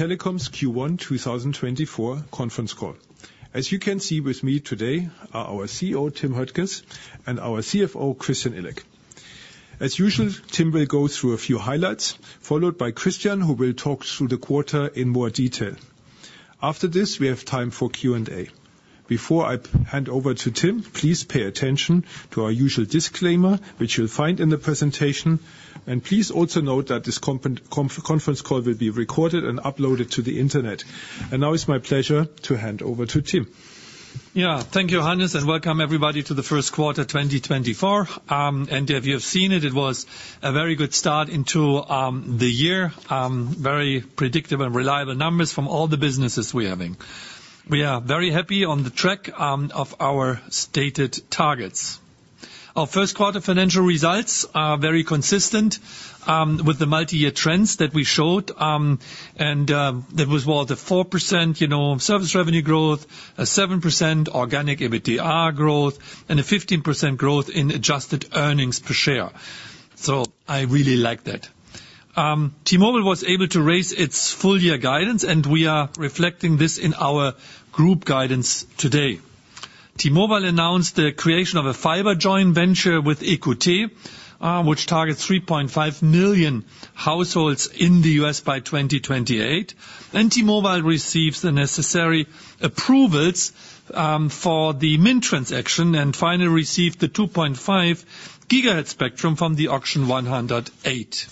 Telekom's Q1 2024 Conference Call. As you can see with me today, are our CEO, Tim Höttges, and our CFO, Christian Illek. As usual, Tim will go through a few highlights, followed by Christian, who will talk through the quarter in more detail. After this, we have time for Q&A. Before I hand over to Tim, please pay attention to our usual disclaimer, which you'll find in the presentation, and please also note that this conference call will be recorded and uploaded to the Internet. And now it's my pleasure to hand over to Tim. Yeah, thank you, Hannes, and welcome, everybody, to the first quarter 2024. As you have seen it, it was a very good start into the year, very predictable and reliable numbers from all the businesses we are having. We are very happy on the track of our stated targets. Our first quarter financial results are very consistent with the multi-year trends that we showed. There was, well, the 4%, you know, service revenue growth, a 7% organic EBITDA growth, and a 15% growth in adjusted earnings per share. So I really like that. T-Mobile was able to raise its full-year guidance, and we are reflecting this in our group guidance today. T-Mobile announced the creation of a fiber joint venture with Equinix, which targets 3.5 million households in the U.S. by 2028. T-Mobile receives the necessary approvals for the Mint transaction, and finally, received the 2.5 gigahertz spectrum from the Auction 108.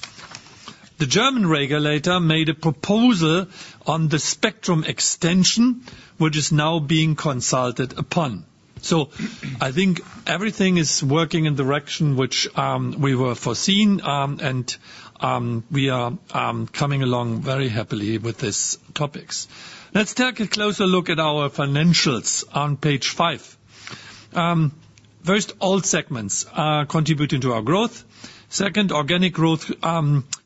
The German regulator made a proposal on the spectrum extension, which is now being consulted upon. I think everything is working in the direction which we were foreseen, and we are coming along very happily with these topics. Let's take a closer look at our financials on page five. First, all segments are contributing to our growth. Second, organic growth,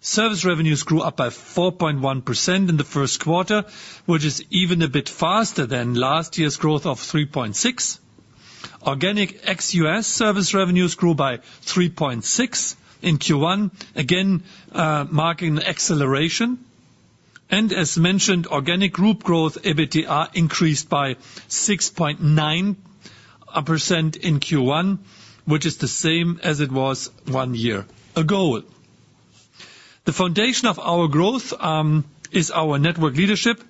service revenues grew up by 4.1% in the first quarter, which is even a bit faster than last year's growth of 3.6%. Organic ex-US service revenues grew by 3.6% in Q1, again, marking the acceleration. As mentioned, organic group growth, EBITDA increased by 6.9% in Q1, which is the same as it was one year ago. The foundation of our growth is our network leadership.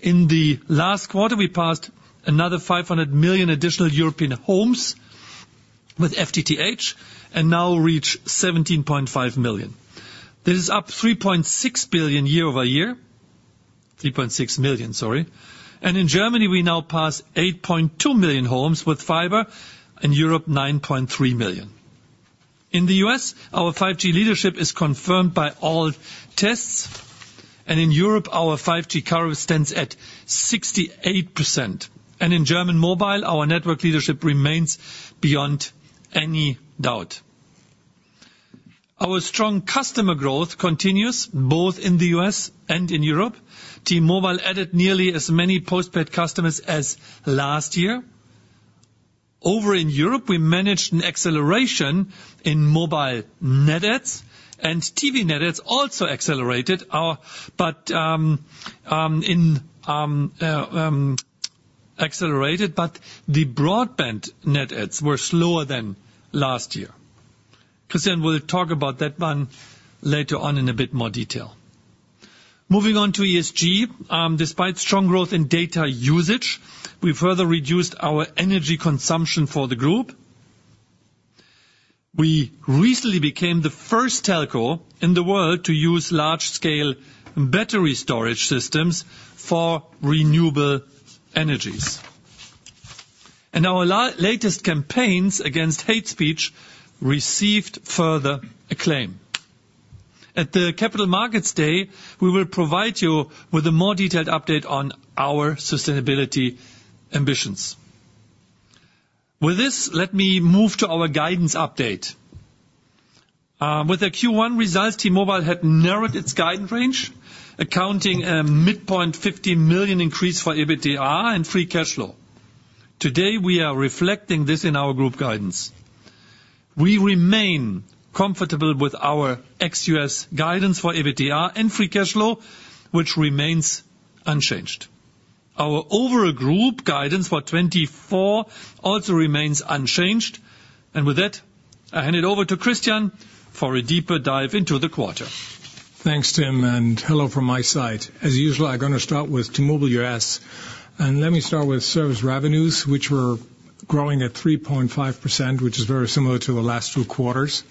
In the last quarter, we passed another 500 million additional European homes with FTTH, and now reach 17.5 million. This is up 3.6 million year-over-year, sorry. And in Germany, we now pass 8.2 million homes with fiber, in Europe, 9.3 million. In the US, our 5G leadership is confirmed by all tests, and in Europe, our 5G coverage stands at 68%, and in German mobile, our network leadership remains beyond any doubt. Our strong customer growth continues, both in the US and in Europe. T-Mobile added nearly as many postpaid customers as last year. Over in Europe, we managed an acceleration in mobile net adds, and TV net adds also accelerated, but the broadband net adds were slower than last year. Christian will talk about that one later on in a bit more detail. Moving on to ESG, despite strong growth in data usage, we further reduced our energy consumption for the group. We recently became the first telco in the world to use large-scale battery storage systems for renewable energies. And our latest campaigns against hate speech received further acclaim. At the Capital Markets Day, we will provide you with a more detailed update on our sustainability ambitions. With this, let me move to our guidance update. With the Q1 results, T-Mobile had narrowed its guidance range, accounting a midpoint $50 million increase for EBITDA and free cash flow. Today, we are reflecting this in our group guidance. We remain comfortable with our ex-US guidance for EBITDA and free cash flow, which remains unchanged. Our overall group guidance for 2024 also remains unchanged, and with that, I hand it over to Christian for a deeper dive into the quarter. Thanks, Tim, and hello from my side. As usual, I'm gonna start with T-Mobile US. Let me start with service revenues, which were growing at 3.5%, which is very similar to the last two quarters.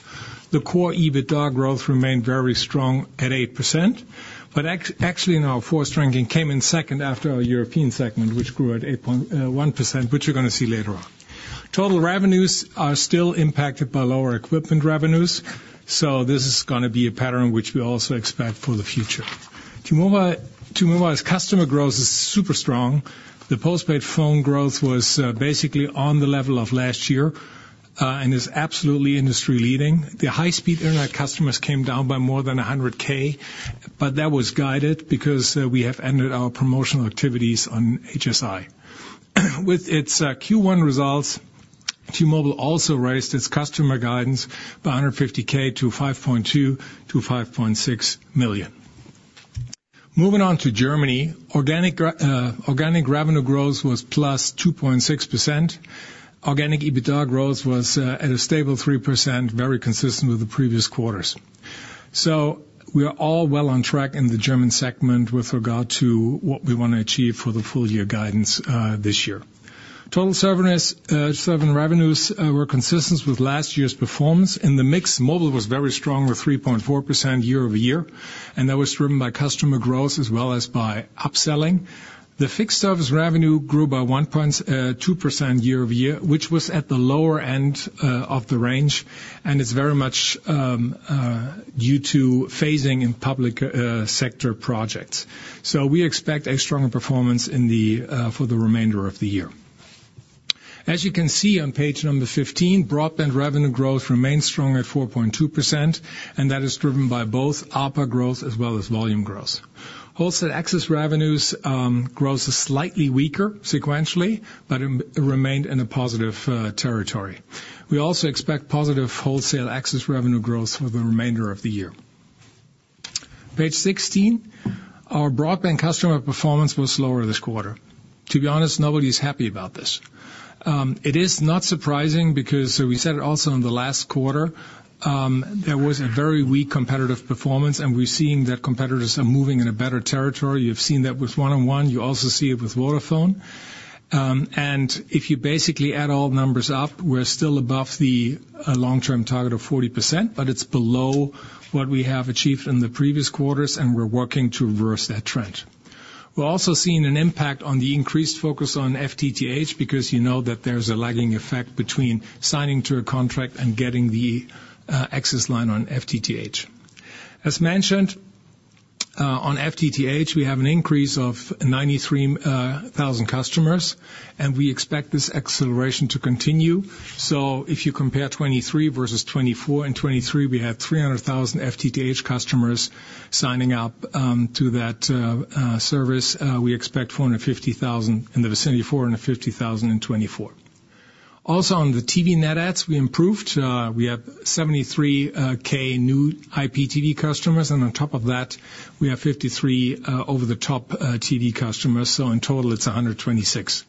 The core EBITDA growth remained very strong at 8%, but actually, in our fourth ranking, came in second after our European segment, which grew at 8.1%, which you're gonna see later on. Total revenues are still impacted by lower equipment revenues, so this is gonna be a pattern which we also expect for the future. T-Mobile's customer growth is super strong. The postpaid phone growth was basically on the level of last year and is absolutely industry-leading. The high-speed internet customers came down by more than 100K, but that was guided because we have ended our promotional activities on HSI. With its Q1 results, T-Mobile also raised its customer guidance by 150K to 5.2-5.6 million. Moving on to Germany, organic revenue growth was +2.6%. Organic EBITDA growth was at a stable 3%, very consistent with the previous quarters. So we are all well on track in the German segment with regard to what we wanna achieve for the full year guidance this year. Total service revenues were consistent with last year's performance. In the mix, mobile was very strong, with 3.4% year-over-year, and that was driven by customer growth as well as by upselling. The fixed service revenue grew by 1.2% year-over-year, which was at the lower end of the range, and it's very much due to phasing in public sector projects. So we expect a stronger performance in the for the remainder of the year. As you can see on page number 15, broadband revenue growth remains strong at 4.2%, and that is driven by both ARPA growth as well as volume growth. Wholesale access revenues growth is slightly weaker sequentially, but it remained in a positive territory. We also expect positive wholesale access revenue growth for the remainder of the year. Page 16, our broadband customer performance was slower this quarter. To be honest, nobody's happy about this. It is not surprising, because we said it also in the last quarter, there was a very weak competitive performance, and we're seeing that competitors are moving in a better territory. You've seen that with 1&1. You also see it with Vodafone. And if you basically add all the numbers up, we're still above the long-term target of 40%, but it's below what we have achieved in the previous quarters, and we're working to reverse that trend. We're also seeing an impact on the increased focus on FTTH, because you know that there's a lagging effect between signing to a contract and getting the access line on FTTH. As mentioned, on FTTH, we have an increase of 93,000 customers, and we expect this acceleration to continue. So if you compare 2023 versus 2024, in 2023, we had 300,000 FTTH customers signing up to that service. We expect 450,000, in the vicinity of 450,000 in 2024. Also, on the TV net adds, we improved. We have 73K new IPTV customers, and on top of that, we have 53 over-the-top TV customers, so in total, it's 126.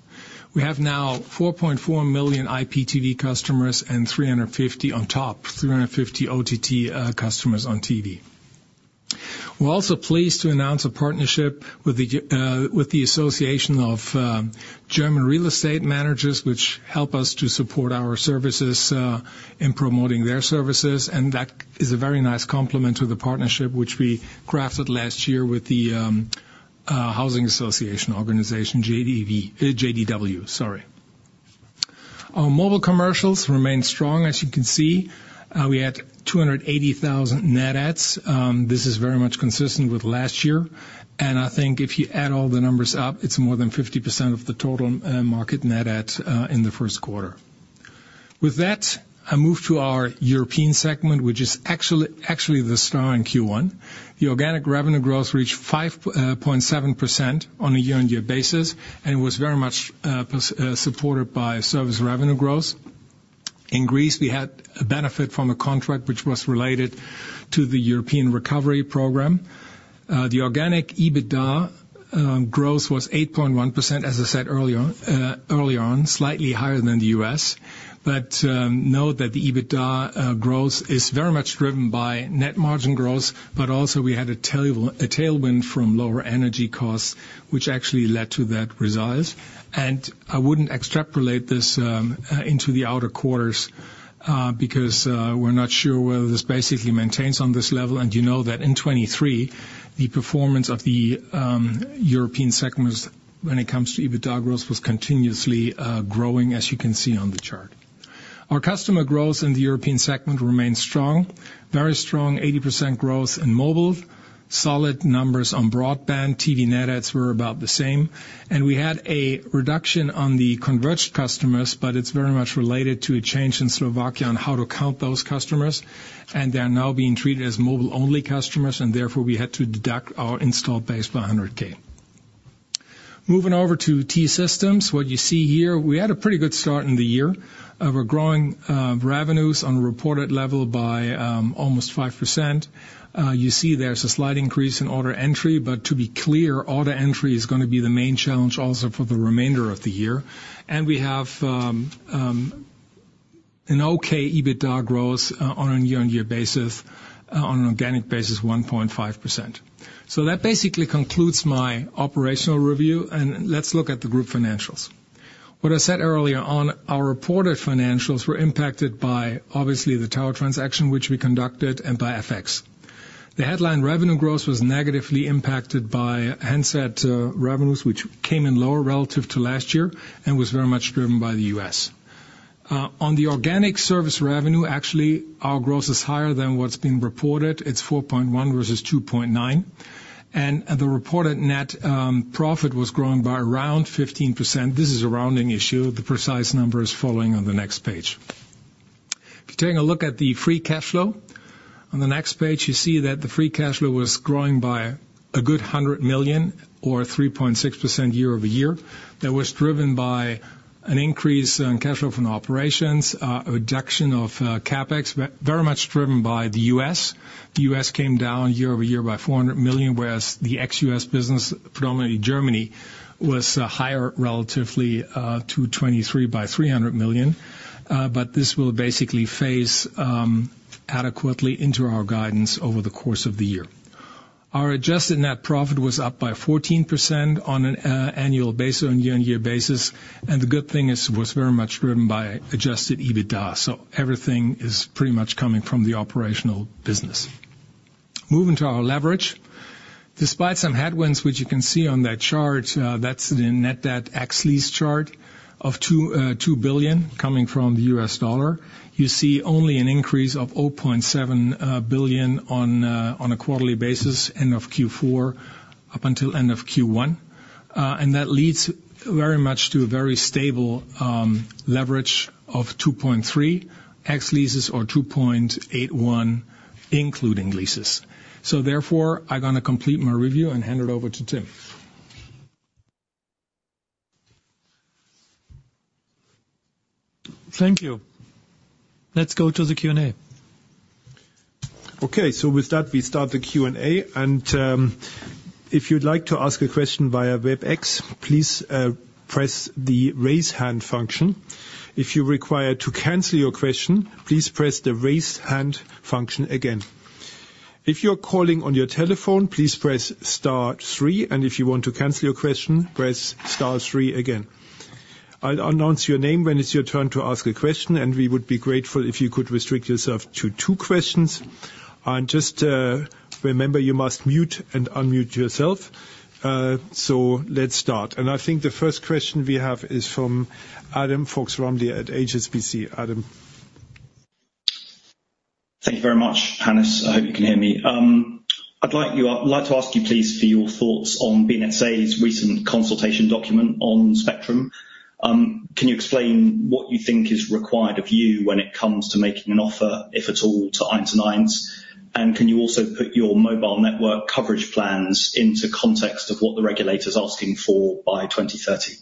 We have now 4.4 million IPTV customers and 350 on top, 350 OTT customers on TV. We're also pleased to announce a partnership with the GdW, with the Association of German Real Estate Managers, which helps us to support our services in promoting their services, and that is a very nice complement to the partnership which we crafted last year with the housing association organization, GdW, sorry. Our mobile customer numbers remain strong, as you can see. We had 280,000 net adds. This is very much consistent with last year, and I think if you add all the numbers up, it's more than 50% of the total market net adds in the first quarter. With that, I move to our European segment, which is actually the star in Q1. The organic revenue growth reached 5.7% on a year-on-year basis and was very much positively supported by service revenue growth. In Greece, we had a benefit from a contract which was related to the European Recovery Program. The organic EBITDA growth was 8.1%, as I said earlier on, slightly higher than the U.S. But note that the EBITDA growth is very much driven by net margin growth, but also we had a tailwind from lower energy costs, which actually led to that result. And I wouldn't extrapolate this into the other quarters because we're not sure whether this basically maintains on this level. And you know that in 2023, the performance of the European segments, when it comes to EBITDA growth, was continuously growing, as you can see on the chart. Our customer growth in the European segment remains strong. Very strong, 80% growth in mobile, solid numbers on broadband. TV net adds were about the same, and we had a reduction on the converged customers, but it's very much related to a change in Slovakia on how to count those customers, and they are now being treated as mobile-only customers, and therefore, we had to deduct our installed base by 100K. Moving over to T-Systems, what you see here, we had a pretty good start in the year. We're growing revenues on a reported level by almost 5%. You see there's a slight increase in order entry, but to be clear, order entry is gonna be the main challenge also for the remainder of the year. And we have an okay EBITDA growth on a year-on-year basis on an organic basis, 1.5%. So that basically concludes my operational review, and let's look at the group financials. What I said earlier on, our reported financials were impacted by, obviously, the tower transaction which we conducted and by FX. The headline revenue growth was negatively impacted by handset revenues, which came in lower relative to last year and was very much driven by the US. On the organic service revenue, actually, our growth is higher than what's been reported. It's 4.1 versus 2.9, and the reported net profit was growing by around 15%. This is a rounding issue. The precise number is following on the next page. If you're taking a look at the free cash flow, on the next page, you see that the free cash flow was growing by a good 100 million or 3.6% year-over-year. That was driven by an increase in cash flow from operations, a reduction of CapEx, very much driven by the US. The US came down year-over-year by 400 million, whereas the ex-US business, predominantly Germany, was higher relatively to 2023 by 300 million. But this will basically phase adequately into our guidance over the course of the year. Our adjusted net profit was up by 14% on an annual basis, on year-on-year basis, and the good thing is, was very much driven by adjusted EBITDA. So everything is pretty much coming from the operational business. Moving to our leverage. Despite some headwinds, which you can see on that chart, that's the net debt ex lease chart of $2 billion coming from the US dollar. You see only an increase of $0.7 billion on a quarterly basis, end of Q4 up until end of Q1. And that leads very much to a very stable leverage of 2.3 ex-leases or 2.81 including leases. So therefore, I'm gonna complete my review and hand it over to Tim. Thank you. Let's go to the Q&A. Okay. So with that, we start the Q&A, and, if you'd like to ask a question via WebEx, please, press the Raise Hand function. If you require to cancel your question, please press the Raise Hand function again. If you're calling on your telephone, please press star three, and if you want to cancel your question, press star three again. I'll announce your name when it's your turn to ask a question, and we would be grateful if you could restrict yourself to two questions. And just, remember, you must mute and unmute yourself. So let's start. And I think the first question we have is from Adam Fox-Rumsey at HSBC. Adam. Thank you very much, Hannes. I hope you can hear me. I'd like to ask you, please, for your thoughts on BNetzA recent consultation document on spectrum. Can you explain what you think is required of you when it comes to making an offer, if at all, to? And can you also put your mobile network coverage plans into context of what the regulator is asking for by 2030?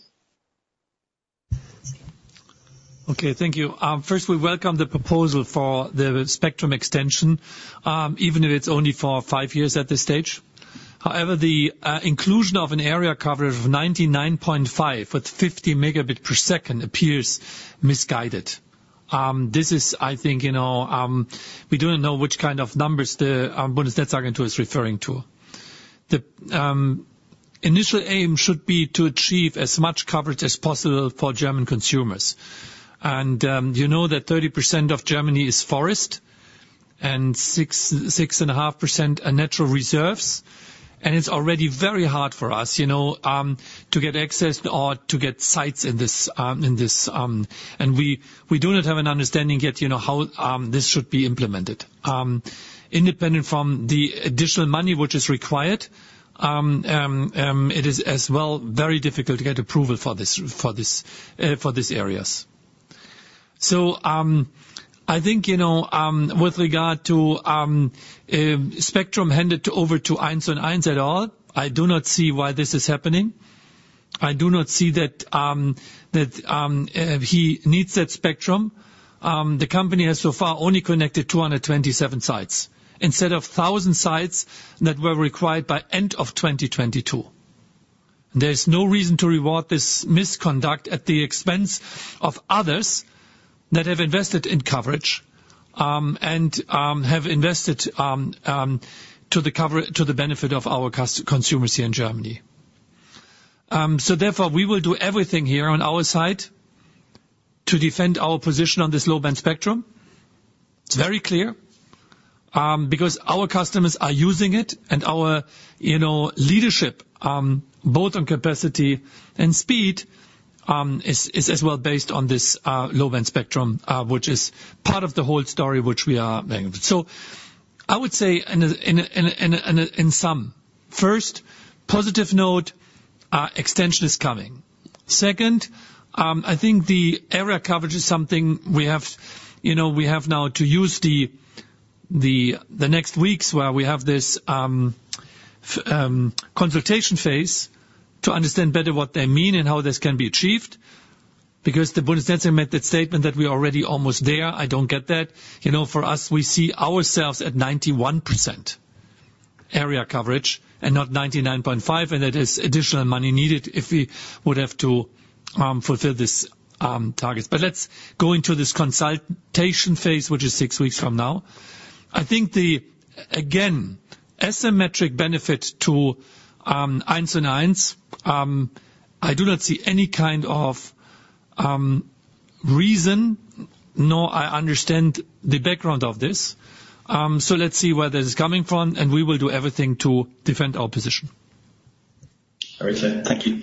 Okay, thank you. First, we welcome the proposal for the spectrum extension, even if it's only for five years at this stage. However, the inclusion of an area coverage of 99.5 with 50 Mbps appears misguided. This is, I think, you know, we do not know which kind of numbers the Bundesnetzagentur is referring to. The initial aim should be to achieve as much coverage as possible for German consumers. And, you know that 30% of Germany is forest and 6.5% are natural reserves, and it's already very hard for us, you know, to get access or to get sites in this, in this... And we do not have an understanding yet, you know, how this should be implemented. Independent from the additional money which is required, it is as well very difficult to get approval for this, for this, for these areas. So, I think, you know, with regard to spectrum handed over to at all, I do not see why this is happening. I do not see that, that, he needs that spectrum. The company has so far only connected 227 sites instead of 1,000 sites that were required by end of 2022. There is no reason to reward this misconduct at the expense of others that have invested in coverage, and, have invested, to the benefit of our consumers here in Germany. So therefore, we will do everything here on our side to defend our position on this low-band spectrum. It's very clear, because our customers are using it, and our, you know, leadership, both on capacity and speed, is, is as well based on this, low-band spectrum, which is part of the whole story which we are making. So I would say in sum, first, positive note, extension is coming. Second, I think the area coverage is something we have, you know, we have now to use the next weeks where we have this, consultation phase to understand better what they mean and how this can be achieved, because the Bundesnetzagentur made that statement that we are already almost there. I don't get that. You know, for us, we see ourselves at 91% area coverage and not 99.5, and that is additional money needed if we would have to fulfill these targets. But let's go into this consultation phase, which is six weeks from now. I think the, again, asymmetric benefit to, I do not see any kind of reason, nor I understand the background of this. So let's see where this is coming from, and we will do everything to defend our position. Very clear. Thank you.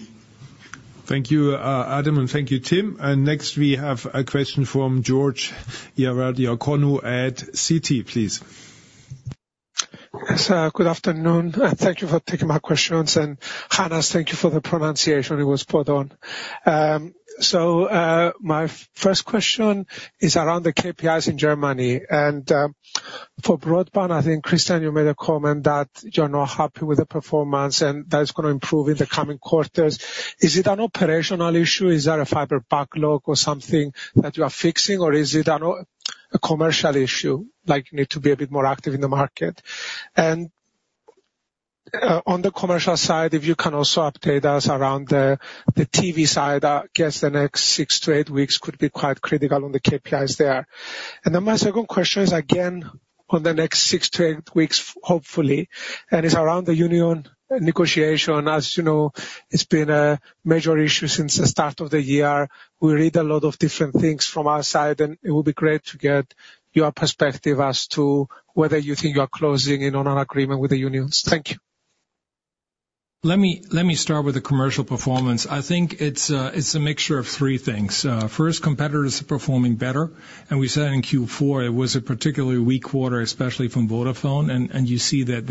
Thank you, Adam, and thank you, Tim. Next, we have a question from George Ierodiaconou at Citi. Please. Yes, good afternoon, and thank you for taking my questions. Hannes, thank you for the pronunciation. It was spot on. So, my first question is around the KPIs in Germany. For broadband, I think, Christian, you made a comment that you're not happy with the performance, and that it's gonna improve in the coming quarters. Is it an operational issue? Is there a fiber backlog or something that you are fixing? Or is it a commercial issue, like you need to be a bit more active in the market? On the commercial side, if you can also update us around the TV side. I guess, the next six to eight weeks could be quite critical on the KPIs there. And then my second question is, again, on the next six to eight weeks, hopefully, and it's around the union negotiation. As you know, it's been a major issue since the start of the year. We read a lot of different things from our side, and it will be great to get your perspective as to whether you think you are closing in on an agreement with the unions. Thank you. Let me start with the commercial performance. I think it's a mixture of three things. First, competitors are performing better, and we said in Q4 it was a particularly weak quarter, especially from Vodafone, and you see that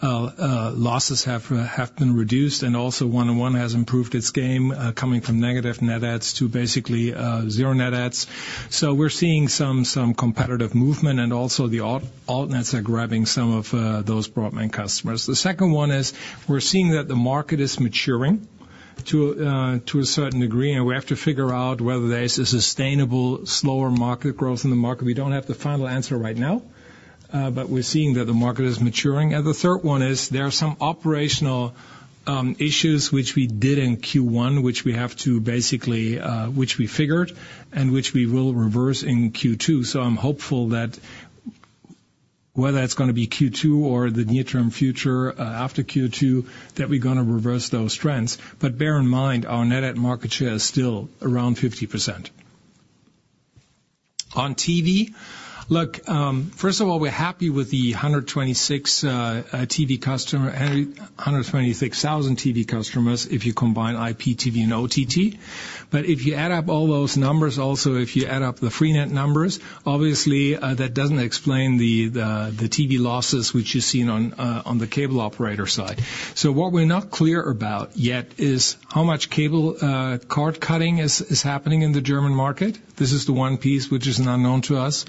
their losses have been reduced. And also, 1&1 has improved its game, coming from negative net adds to basically zero net adds. So we're seeing some competitive movement, and also the alt nets are grabbing some of those broadband customers. The second one is we're seeing that the market is maturing to a certain degree, and we have to figure out whether there is a sustainable, slower market growth in the market. We don't have the final answer right now, but we're seeing that the market is maturing. The third one is there are some operational issues which we did in Q1, which we have to basically, which we figured, and which we will reverse in Q2. So I'm hopeful that whether it's gonna be Q2 or the near-term future, after Q2, that we're gonna reverse those trends. But bear in mind, our net add market share is still around 50%. On TV, look, first of all, we're happy with the 126,000 TV customers, if you combine IPTV and OTT. But if you add up all those numbers, also, if you add up the Freenet numbers, obviously, that doesn't explain the TV losses which you've seen on the cable operator side. What we're not clear about yet is how much cable, cord cutting is happening in the German market. This is the one piece which is an unknown to us.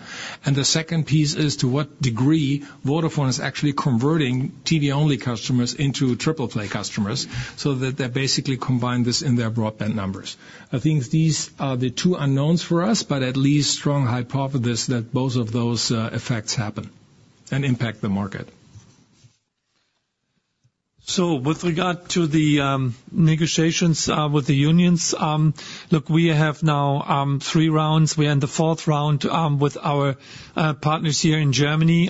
The second piece is to what degree Vodafone is actually converting TV-only customers into triple-play customers, so that they basically combine this in their broadband numbers. I think these are the two unknowns for us, but at least strong hypothesis that both of those, effects happen and impact the market. So with regard to the negotiations with the unions, look, we have now three rounds. We're in the fourth round with our partners here in Germany.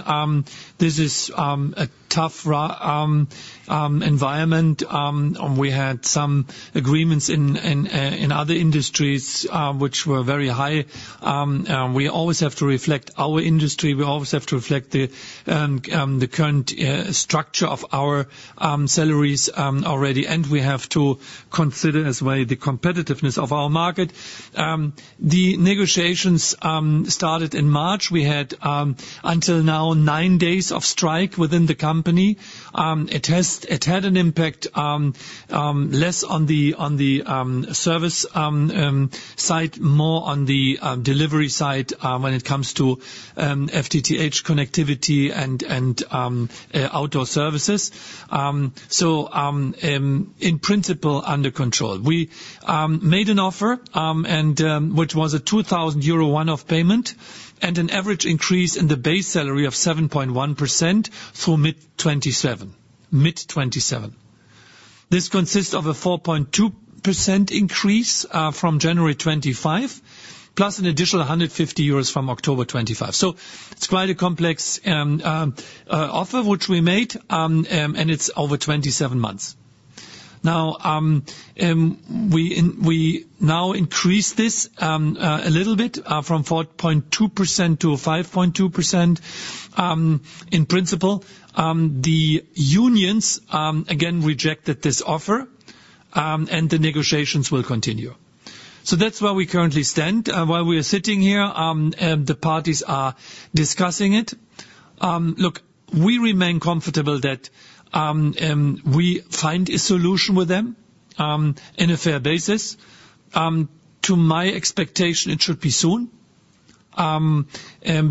This is a tough environment. And we had some agreements in other industries which were very high. We always have to reflect our industry. We always have to reflect the current structure of our salaries already. And we have to consider as well the competitiveness of our market. The negotiations started in March. We had until now nine days of strike within the company. It had an impact, less on the service side, more on the delivery side, when it comes to FTTH connectivity and outdoor services. So, in principle, under control. We made an offer, which was a 2,000 euro one-off payment and an average increase in the base salary of 7.1% through mid 2027. Mid 2027. This consists of a 4.2% increase from January 2025, plus an additional 150 euros from October 2025. So it's quite a complex offer which we made, and it's over 27 months. Now, we now increase this a little bit from 4.2% to 5.2%, in principle. The unions again rejected this offer, and the negotiations will continue. So that's where we currently stand. While we're sitting here, the parties are discussing it. Look, we remain comfortable that we find a solution with them in a fair basis. To my expectation, it should be soon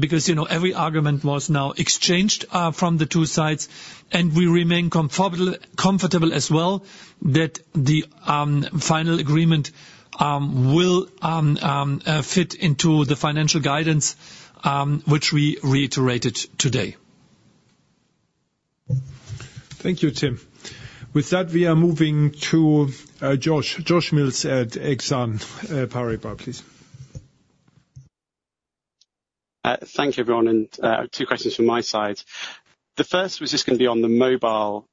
because, you know, every argument was now exchanged from the two sides, and we remain comfortable, comfortable as well that the final agreement will fit into the financial guidance which we reiterated today. Thank you, Tim. With that, we are moving to Josh. Josh Mills at Exane BNP Paribas, please. Thank you, everyone, and two questions from my side. The first was just gonna be on the mobile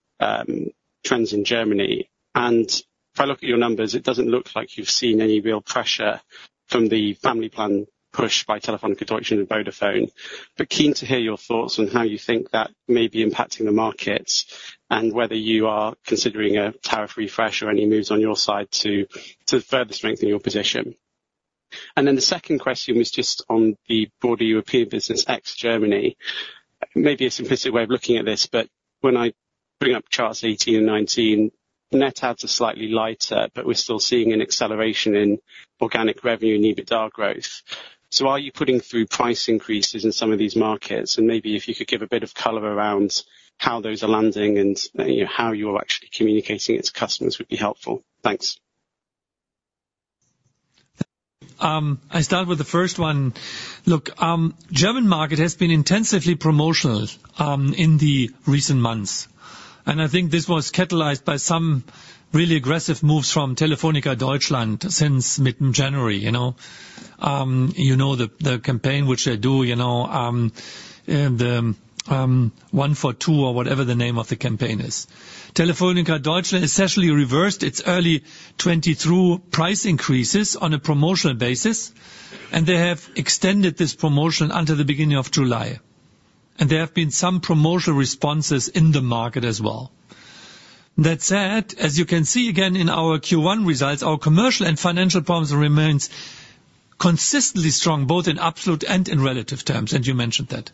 trends in Germany. And if I look at your numbers, it doesn't look like you've seen any real pressure from the family plan push by Telefónica Deutschland and Vodafone. But keen to hear your thoughts on how you think that may be impacting the markets and whether you are considering a tariff refresh or any moves on your side to further strengthen your position? Then the second question was just on the broader European business, ex-Germany. Maybe a simplistic way of looking at this, but when I bring up charts 18 and 19, net adds are slightly lighter, but we're still seeing an acceleration in organic revenue and EBITDA growth. So are you putting through price increases in some of these markets? And maybe if you could give a bit of color around how those are landing and how you're actually communicating it to customers would be helpful. Thanks. I start with the first one. Look, German market has been intensively promotional, in the recent months, and I think this was catalyzed by some really aggressive moves from Telefónica Deutschland since mid-January, you know? You know, the campaign which they do, you know, the one for two, or whatever the name of the campaign is. Telefónica Deutschland essentially reversed its early 2023 price increases on a promotional basis, and they have extended this promotion until the beginning of July. And there have been some promotional responses in the market as well. That said, as you can see again in our Q1 results, our commercial and financial problems remains consistently strong, both in absolute and in relative terms, and you mentioned that.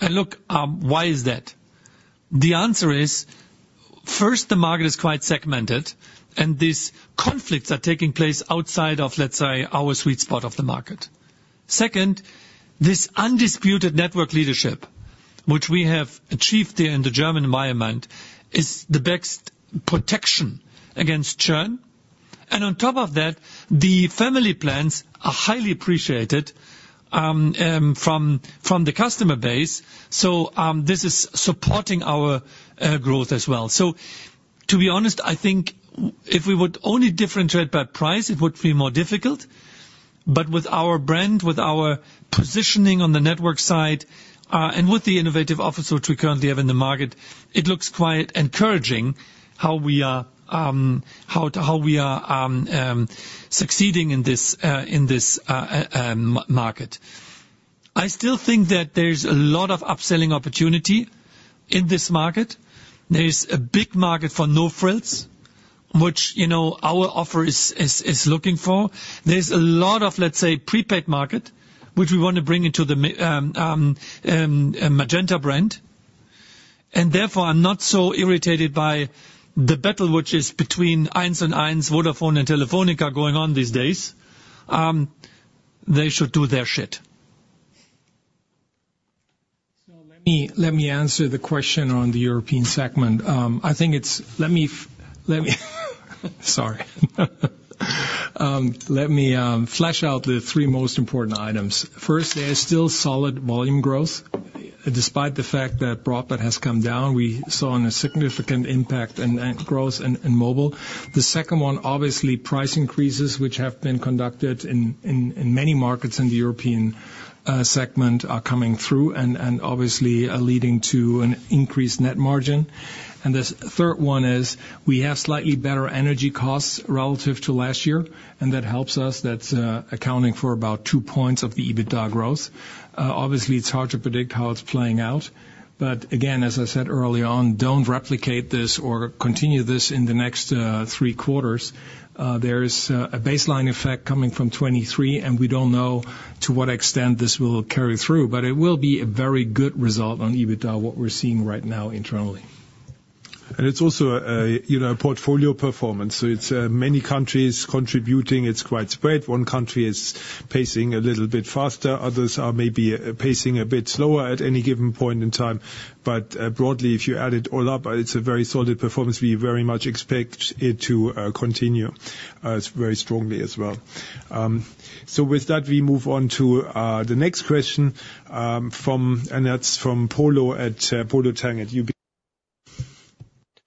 And look, why is that? The answer is, first, the market is quite segmented, and these conflicts are taking place outside of, let's say, our sweet spot of the market. Second, this undisputed network leadership, which we have achieved here in the German environment, is the best protection against churn. And on top of that, the family plans are highly appreciated from the customer base. So, this is supporting our growth as well. So to be honest, I think if we would only differentiate by price, it would be more difficult. But with our brand, with our positioning on the network side, and with the innovative offers which we currently have in the market, it looks quite encouraging how we are succeeding in this market. I still think that there's a lot of upselling opportunity in this market. There is a big market for no-frills, which, you know, our offer is looking for. There's a lot of, let's say, prepaid market, which we want to bring into the Magenta brand. Therefore, I'm not so irritated by the battle, which is between, Vodafone and Telefónica going on these days. They should do their shit. So let me answer the question on the European segment. Let me flesh out the three most important items. First, there is still solid volume growth. Despite the fact that broadband has come down, we saw a significant impact in net growth in mobile. The second one, obviously, price increases, which have been conducted in many markets in the European segment, are coming through and obviously are leading to an increased net margin. And the third one is we have slightly better energy costs relative to last year, and that helps us. That's accounting for about two points of the EBITDA growth. Obviously, it's hard to predict how it's playing out, but again, as I said early on, don't replicate this or continue this in the next three quarters. There is a baseline effect coming from 2023, and we don't know to what extent this will carry through. But it will be a very good result on EBITDA, what we're seeing right now internally. It's also a you know a portfolio performance. So it's many countries contributing. It's quite spread. One country is pacing a little bit faster, others are maybe pacing a bit slower at any given point in time. But broadly, if you add it all up, it's a very solid performance. We very much expect it to continue very strongly as well. So with that, we move on to the next question from Polo Tang at UBS.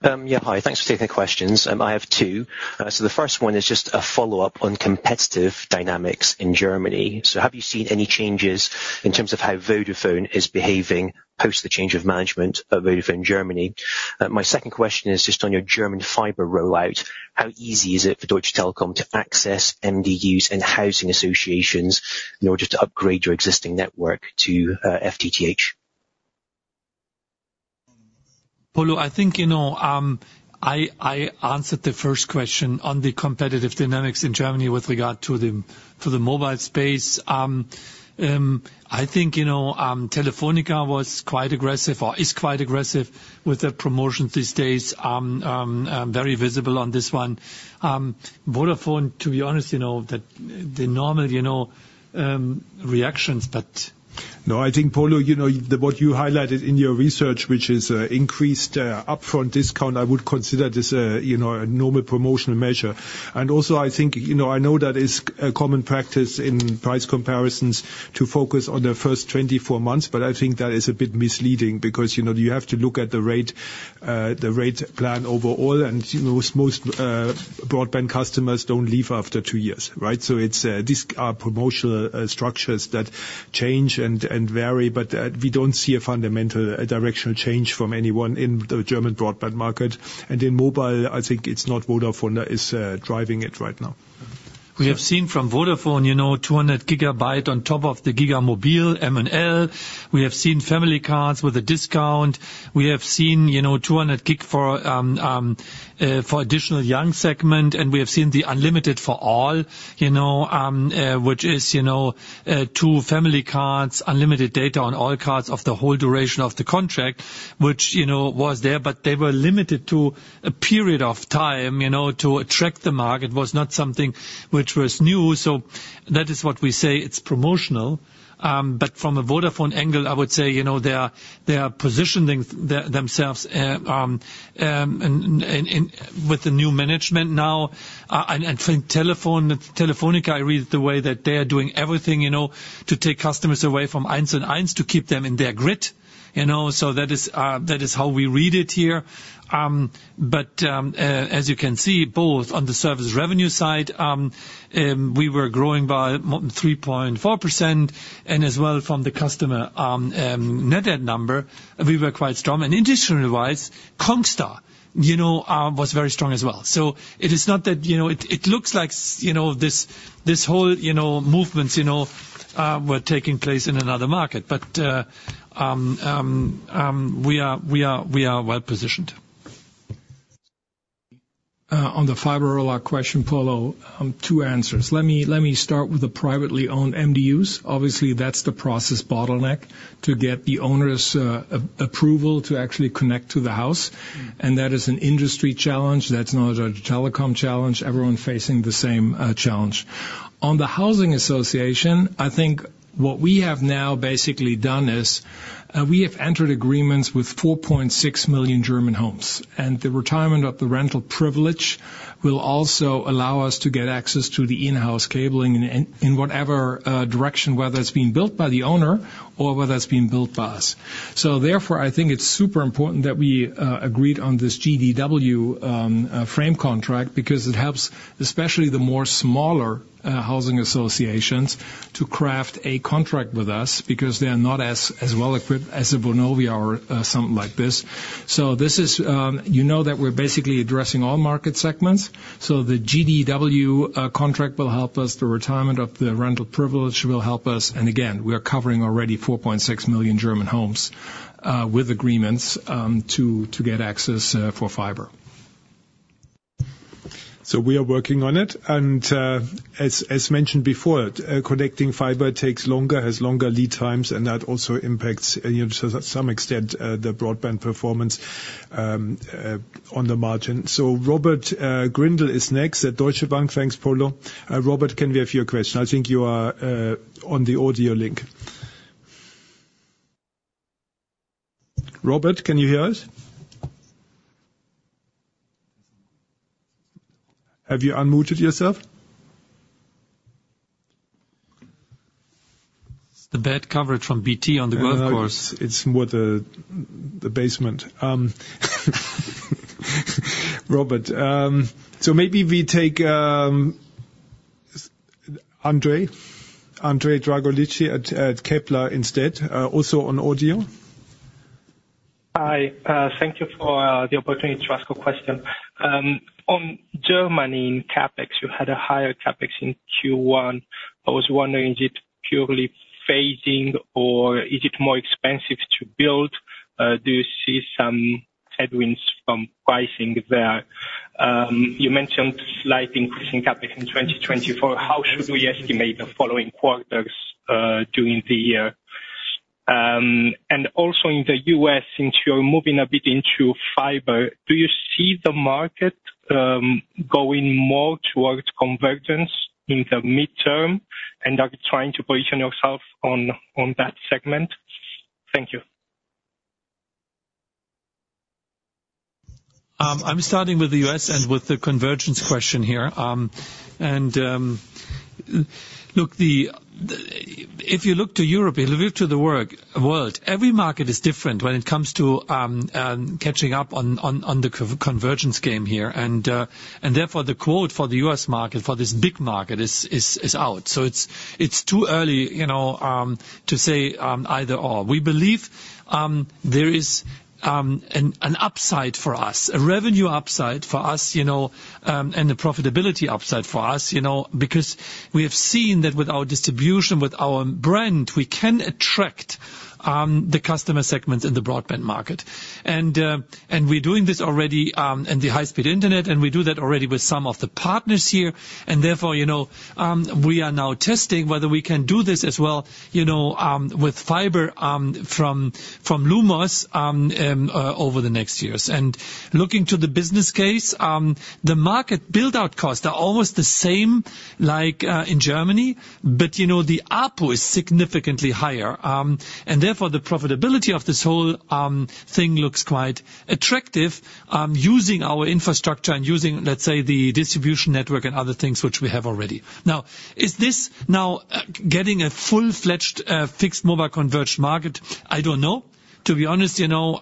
Yeah, hi. Thanks for taking the questions. I have two. So the first one is just a follow-up on competitive dynamics in Germany. So have you seen any changes in terms of how Vodafone is behaving post the change of management of Vodafone Germany? My second question is just on your German fiber rollout. How easy is it for Deutsche Telekom to access MDUs and housing associations in order to upgrade your existing network to FTTH? Polo, I think, you know, I answered the first question on the competitive dynamics in Germany with regard to the mobile space. I think, you know, Telefónica was quite aggressive, or is quite aggressive with their promotions these days. Very visible on this one. Vodafone, to be honest, you know, the normal, you know, reactions, but- No, I think, Polo, you know, the, what you highlighted in your research, which is, increased, upfront discount, I would consider this a, you know, a normal promotional measure. And also, I think, you know, I know that it's a common practice in price comparisons to focus on the first 24 months, but I think that is a bit misleading because, you know, you have to look at the rate, the rate plan overall, and, you know, most, broadband customers don't leave after two years, right? So it's, these are promotional, structures that change and vary, but, we don't see a fundamental directional change from anyone in the German broadband market. And in mobile, I think it's not Vodafone that is, driving it right now. We have seen from Vodafone, you know, 200 GB on top of the GigaMobil, M and L. We have seen family cards with a discount. We have seen, you know, 200 GB for additional young segment, and we have seen the unlimited for all, you know, which is, you know, two family cards, unlimited data on all cards of the whole duration of the contract, which, you know, was there. But they were limited to a period of time, you know, to attract the market, was not something which was new. So that is what we say, it's promotional. But from a Vodafone angle, I would say, you know, they are, they are positioning themselves in with the new management now. And Telefónica, I read it the way that they are doing everything, you know, to take customers away from to keep them in their grid, you know? So that is how we read it here. But as you can see, both on the service revenue side, we were growing by more than 3.4%, and as well, from the customer net add number, we were quite strong. And industry-wise, Congstar, you know, was very strong as well. So it is not that, you know. It looks like, you know, this whole, you know, movements, you know, were taking place in another market. But we are well-positioned. On the fiber rollout question, Polo, two answers. Let me, let me start with the privately owned MDUs. Obviously, that's the process bottleneck, to get the owner's approval to actually connect to the house, and that is an industry challenge, that's not a Telekom challenge. Everyone facing the same challenge. On the housing association, I think what we have now basically done is, we have entered agreements with 4.6 million German homes, and the retirement of the Rental Privilege will also allow us to get access to the in-house cabling in whatever direction, whether it's being built by the owner or whether it's being built by us. So therefore, I think it's super important that we agreed on this GDW frame contract because it helps, especially the more smaller housing associations to craft a contract with us because they are not as well equipped as a Vonovia or something like this. So this is, you know that we're basically addressing all market segments, so the GDW contract will help us. The retirement of the rental privilege will help us. And again, we are covering already 4.6 million German homes with agreements to get access for fiber. So we are working on it, and as mentioned before, connecting fiber takes longer, has longer lead times, and that also impacts, you know, to some extent the broadband performance on the margin. So Robert Grindle is next at Deutsche Bank. Thanks, Paulo. Robert, can we have your question? I think you are on the audio link. Robert, can you hear us? Have you unmuted yourself? The bad coverage from BT on the golf course. It's more the, the basement. Robert, so maybe we take Andre, Andrei Dragosici at Kepler instead, also on audio. Hi, thank you for the opportunity to ask a question. On Germany, in CapEx, you had a higher CapEx in Q1. I was wondering, is it purely phasing or is it more expensive to build? Do you see some headwinds from pricing there? You mentioned slight increase in CapEx in 2024. How should we estimate the following quarters, during the year? And also in the U.S., since you're moving a bit into fiber, do you see the market, going more towards convergence in the midterm, and are you trying to position yourself on that segment? Thank you. I'm starting with the US and with the convergence question here. And, look, the—if you look to Europe, if you look to the world, every market is different when it comes to catching up on the convergence game here. And, therefore, the quote for the US market, for this big market is out. So it's too early, you know, to say either or. We believe there is an upside for us, a revenue upside for us, you know, and a profitability upside for us, you know, because we have seen that with our distribution, with our brand, we can attract the customer segments in the broadband market. And, and we're doing this already, in the high-speed internet, and we do that already with some of the partners here. And therefore, you know, we are now testing whether we can do this as well, you know, with fiber, from Lumos, over the next years. And looking to the business case, the market build-out costs are almost the same like, in Germany, but, you know, the ARPU is significantly higher. And therefore, the profitability of this whole, thing looks quite attractive, using our infrastructure and using, let's say, the distribution network and other things which we have already. Now, is this now, getting a full-fledged, fixed mobile converged market? I don't know. To be honest, you know,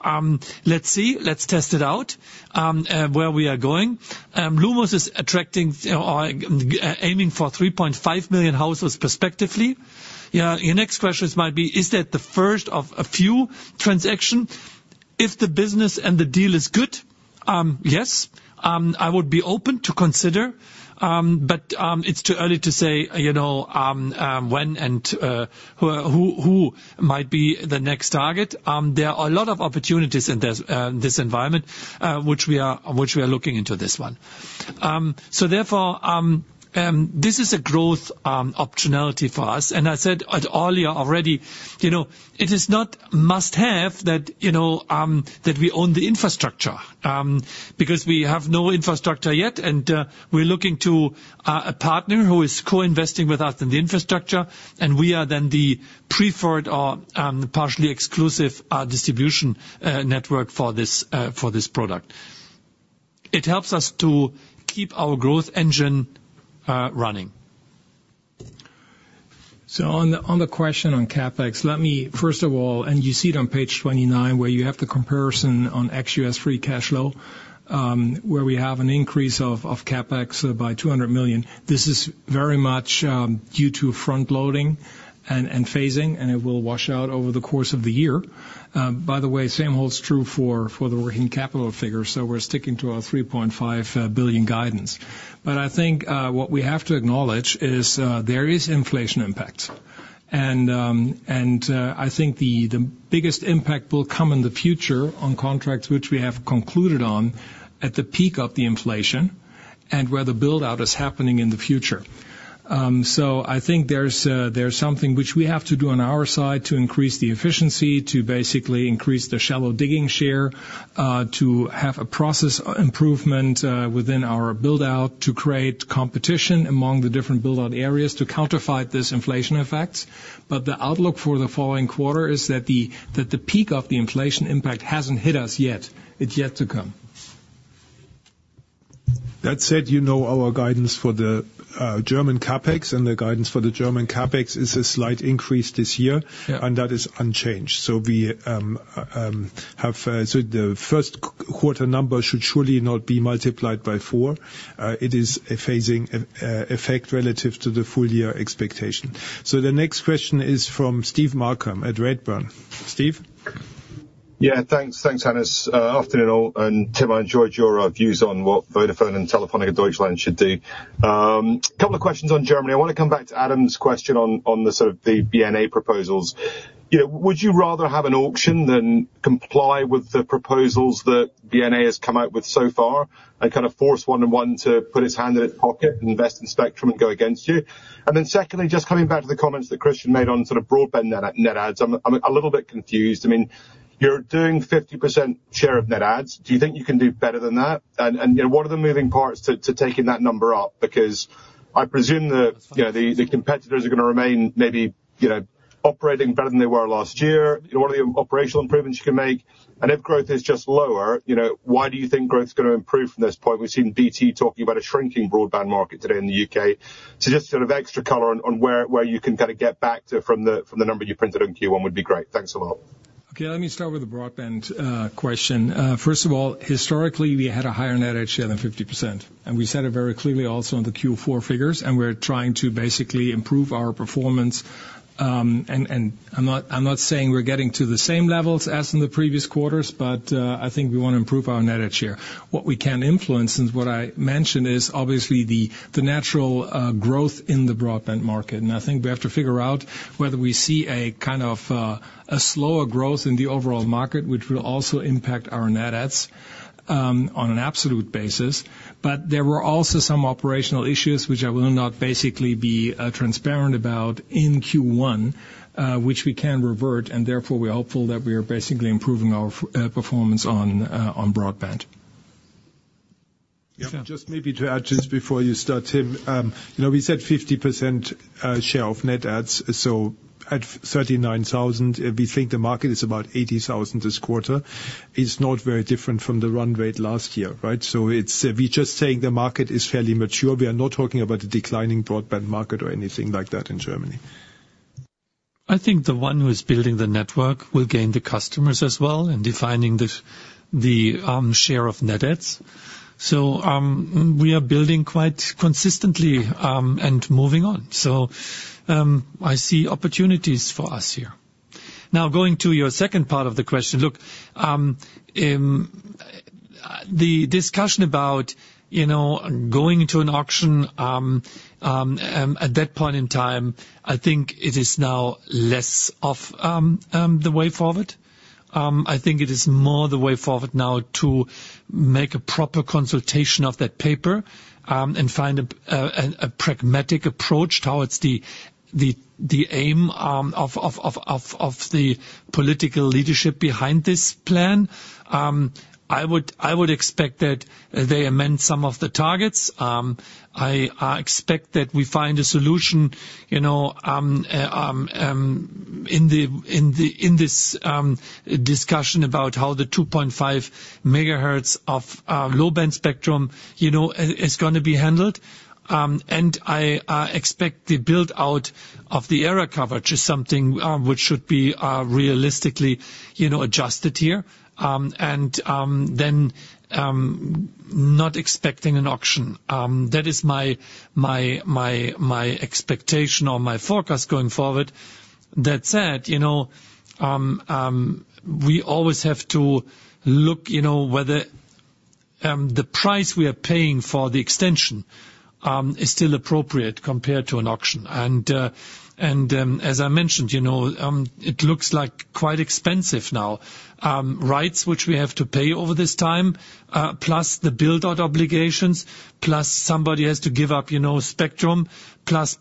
let's see. Let's test it out, where we are going. Lumos is attracting, or aiming for 3.5 million houses prospectively. Yeah, your next questions might be: Is that the first of a few transactions?... If the business and the deal is good, yes, I would be open to consider. But it's too early to say, you know, when and who might be the next target. There are a lot of opportunities in this environment, which we are looking into. This one. So therefore, this is a growth optionality for us. And I said earlier already, you know, it is not must-have that, you know, that we own the infrastructure. Because we have no infrastructure yet, and we're looking to a partner who is co-investing with us in the infrastructure, and we are then the preferred, partially exclusive, distribution network for this product. It helps us to keep our growth engine running. So on the question on CapEx, let me first of all, and you see it on page 29, where you have the comparison on ex-US free cash flow, where we have an increase of CapEx by 200 million. This is very much due to front loading and phasing, and it will wash out over the course of the year. By the way, same holds true for the working capital figure, so we're sticking to our 3.5 billion guidance. But I think what we have to acknowledge is there is inflation impact. And I think the biggest impact will come in the future on contracts which we have concluded on at the peak of the inflation and where the build-out is happening in the future. So I think there's something which we have to do on our side to increase the efficiency, to basically increase the shallow digging share, to have a process improvement within our build-out, to create competition among the different build-out areas, to counterfight this inflation effect. But the outlook for the following quarter is that the peak of the inflation impact hasn't hit us yet. It's yet to come. That said, you know, our guidance for the German CapEx, and the guidance for the German CapEx is a slight increase this and that is unchanged. So the first quarter number should surely not be multiplied by four. It is a phasing effect relative to the full year expectation. So the next question is from Steve Malcolm at Redburn. Steve? Yeah, thanks. Thanks, Hannes. Afternoon, all. And Tim, I enjoyed your views on what Vodafone and Telefónica Deutschland should do. Couple of questions on Germany. I wanna come back to Adam's question on the sort of the BNA proposals. You know, would you rather have an auction than comply with the proposals that BNA has come out with so far, and kind of force 1&1 to put its hand in its pocket and invest in spectrum and go against you? And then secondly, just coming back to the comments that Christian made on sort of broadband net, net adds. I'm a little bit confused. I mean, you're doing 50% share of net adds. Do you think you can do better than that? And you know, what are the moving parts to taking that number up? Because I presume that, you know, the competitors are gonna remain maybe, you know, operating better than they were last year. You know, what are the operational improvements you can make? And if growth is just lower, you know, why do you think growth is gonna improve from this point? We've seen BT talking about a shrinking broadband market today in the UK. So just sort of extra color on where you can kinda get back to, from the number you printed in Q1 would be great. Thanks a lot. Okay, let me start with the broadband question. First of all, historically, we had a higher net add share than 50%, and we said it very clearly also on the Q4 figures, and we're trying to basically improve our performance. And I'm not saying we're getting to the same levels as in the previous quarters, but I think we wanna improve our net add share. What we can influence, and what I mentioned, is obviously the natural growth in the broadband market. And I think we have to figure out whether we see a kind of slower growth in the overall market, which will also impact our net adds on an absolute basis. But there were also some operational issues which I will not basically be transparent about in Q1, which we can revert, and therefore, we're hopeful that we are basically improving our performance on broadband. Yeah, just maybe to add, just before you start, Tim. You know, we said 50% share of net adds, so at 39,000, we think the market is about 80,000 this quarter. It's not very different from the run rate last year, right? So it's, we're just saying the market is fairly mature. We are not talking about a declining broadband market or anything like that in Germany. I think the one who is building the network will gain the customers as well in defining the share of net adds. So, we are building quite consistently and moving on. So, I see opportunities for us here. Now, going to your second part of the question: look, the discussion about, you know, going to an auction, at that point in time, I think it is now less of the way forward. I think it is more the way forward now to make a proper consultation of that paper, and find a pragmatic approach towards the aim of the political leadership behind this plan. I would expect that they amend some of the targets. I expect that we find a solution, you know, in this discussion about how the 2.5 megahertz of low-band spectrum, you know, is gonna be handled. And I expect the build-out of the area coverage is something which should be realistically, you know, adjusted here. And then not expecting an auction. That is my expectation or my forecast going forward. That said, you know, we always have to look, you know, whether the price we are paying for the extension is still appropriate compared to an auction. And as I mentioned, you know, it looks like quite expensive now. Rights which we have to pay over this time, plus the build-out obligations, plus somebody has to give up, you know, spectrum, plus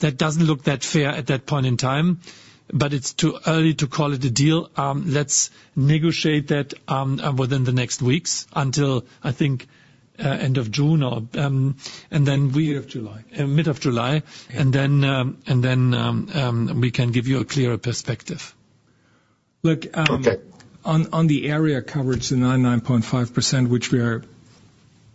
that doesn't look that fair at that point in time. But it's too early to call it a deal. Let's negotiate that within the next weeks until, I think, end of June or, and then we- Mid of July. Mid of July. And then, and then, we can give you a clearer perspective. Look. O n the area coverage, the 99.5%, which we are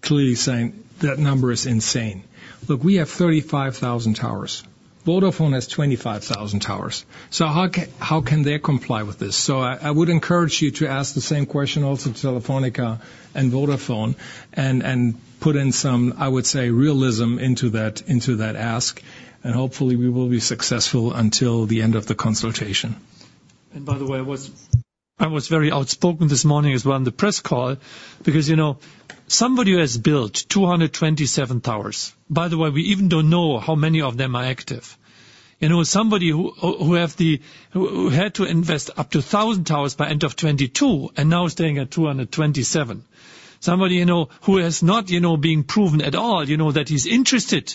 clearly saying that number is insane. Look, we have 35,000 towers. Vodafone has 25,000 towers, so how can they comply with this? So I would encourage you to ask the same question also to Telefónica and Vodafone and put in some, I would say, realism into that ask, and hopefully we will be successful until the end of the consultation. By the way, I was very outspoken this morning as well in the press call, because, you know, somebody who has built 227 towers... By the way, we even don't know how many of them are active. You know, somebody who had to invest up to 1,000 towers by end of 2022 and now staying at 227. Somebody, you know, who has not, you know, being proven at all, you know, that he's interested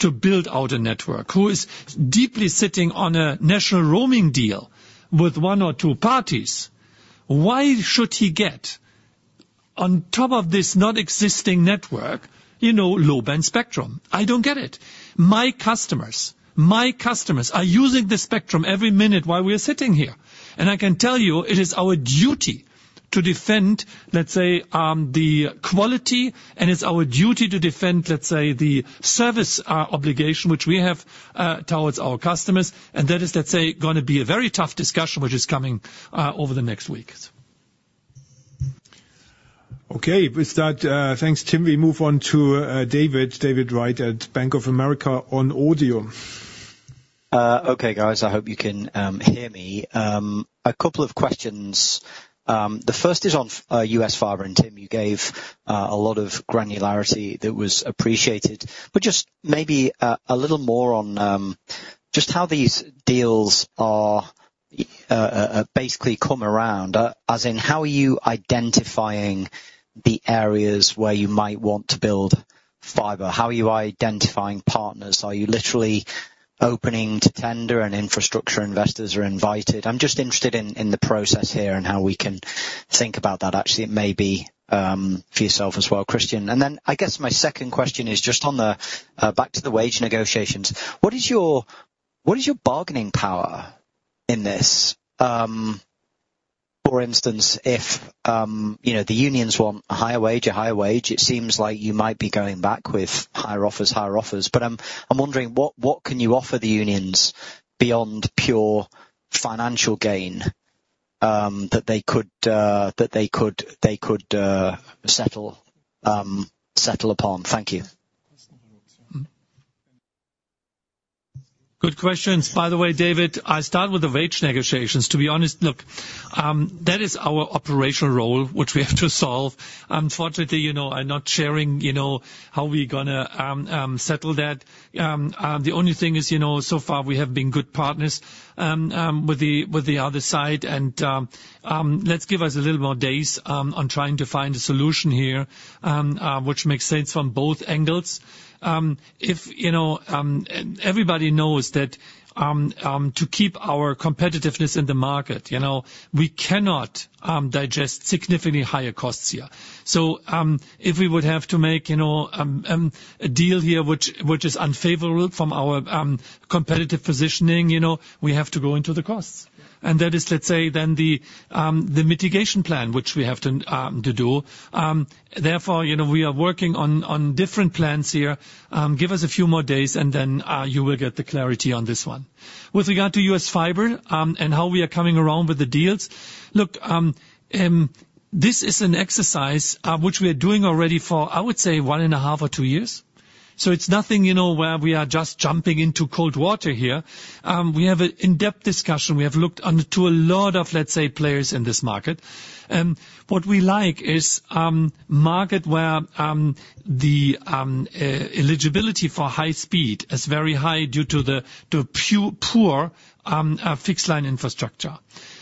to build out a network, who is deeply sitting on a national roaming deal with one or two parties. Why should he get, on top of this not existing network, you know, low band spectrum? I don't get it. My customers, my customers are using the spectrum every minute while we are sitting here. I can tell you, it is our duty to defend, let's say, the quality, and it's our duty to defend, let's say, the service, obligation which we have, towards our customers. That is, let's say, gonna be a very tough discussion, which is coming, over the next weeks. Okay. With that, thanks, Tim. We move on to David. David Wright at Bank of America on audio. Okay, guys, I hope you can hear me. A couple of questions. The first is on U.S. Fiber, and Tim, you gave a lot of granularity that was appreciated. But just maybe a little more on just how these deals are basically come around. As in, how are you identifying the areas where you might want to build fiber? How are you identifying partners? Are you literally opening to tender and infrastructure investors are invited? I'm just interested in the process here and how we can think about that. Actually, it may be for yourself as well, Christian. And then I guess my second question is just on the back to the wage negotiations. What is your bargaining power in this? For instance, if, you know, the unions want a higher wage, a higher wage, it seems like you might be going back with higher offers, higher offers. But I'm, I'm wondering what, what can you offer the unions beyond pure financial gain, that they could, that they could, they could, settle, settle upon? Thank you. Good questions. By the way, David, I start with the wage negotiations. To be honest, look, that is our operational role, which we have to solve. Unfortunately, you know, I'm not sharing, you know, how we're gonna settle that. The only thing is, you know, so far we have been good partners with the other side. And, let's give us a little more days on trying to find a solution here, which makes sense from both angles. If, you know, and everybody knows that, to keep our competitiveness in the market, you know, we cannot digest significantly higher costs here. So, if we would have to make, you know, a deal here which, which is unfavorable from our, competitive positioning, you know, we have to go into the costs. And that is, let's say, then the, the mitigation plan, which we have to, to do. Therefore, you know, we are working on, on different plans here. Give us a few more days, and then, you will get the clarity on this one. With regard to US Fiber, and how we are coming around with the deals, look, this is an exercise, which we are doing already for, I would say, one and a half or two years. So it's nothing, you know, where we are just jumping into cold water here. We have an in-depth discussion. We have looked onto a lot of, let's say, players in this market. What we like is a market where the eligibility for high speed is very high due to the poor fixed line infrastructure.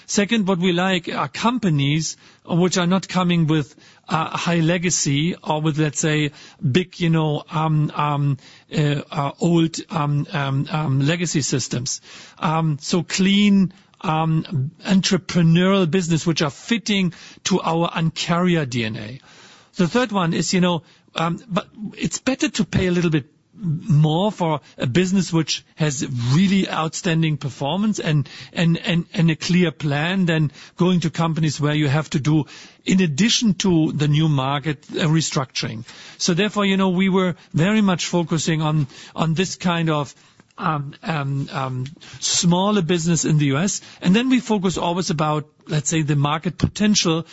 Second, what we like are companies which are not coming with high legacy or with, let's say, big, you know, old legacy systems. So clean entrepreneurial business which are fitting to our uncarrier DNA. The third one is, you know, but it's better to pay a little bit more for a business which has really outstanding performance and a clear plan than going to companies where you have to do, in addition to the new market, a restructuring. So therefore, you know, we were very much focusing on this kind of smaller business in the US. And then we focus always about, let's say, the market potential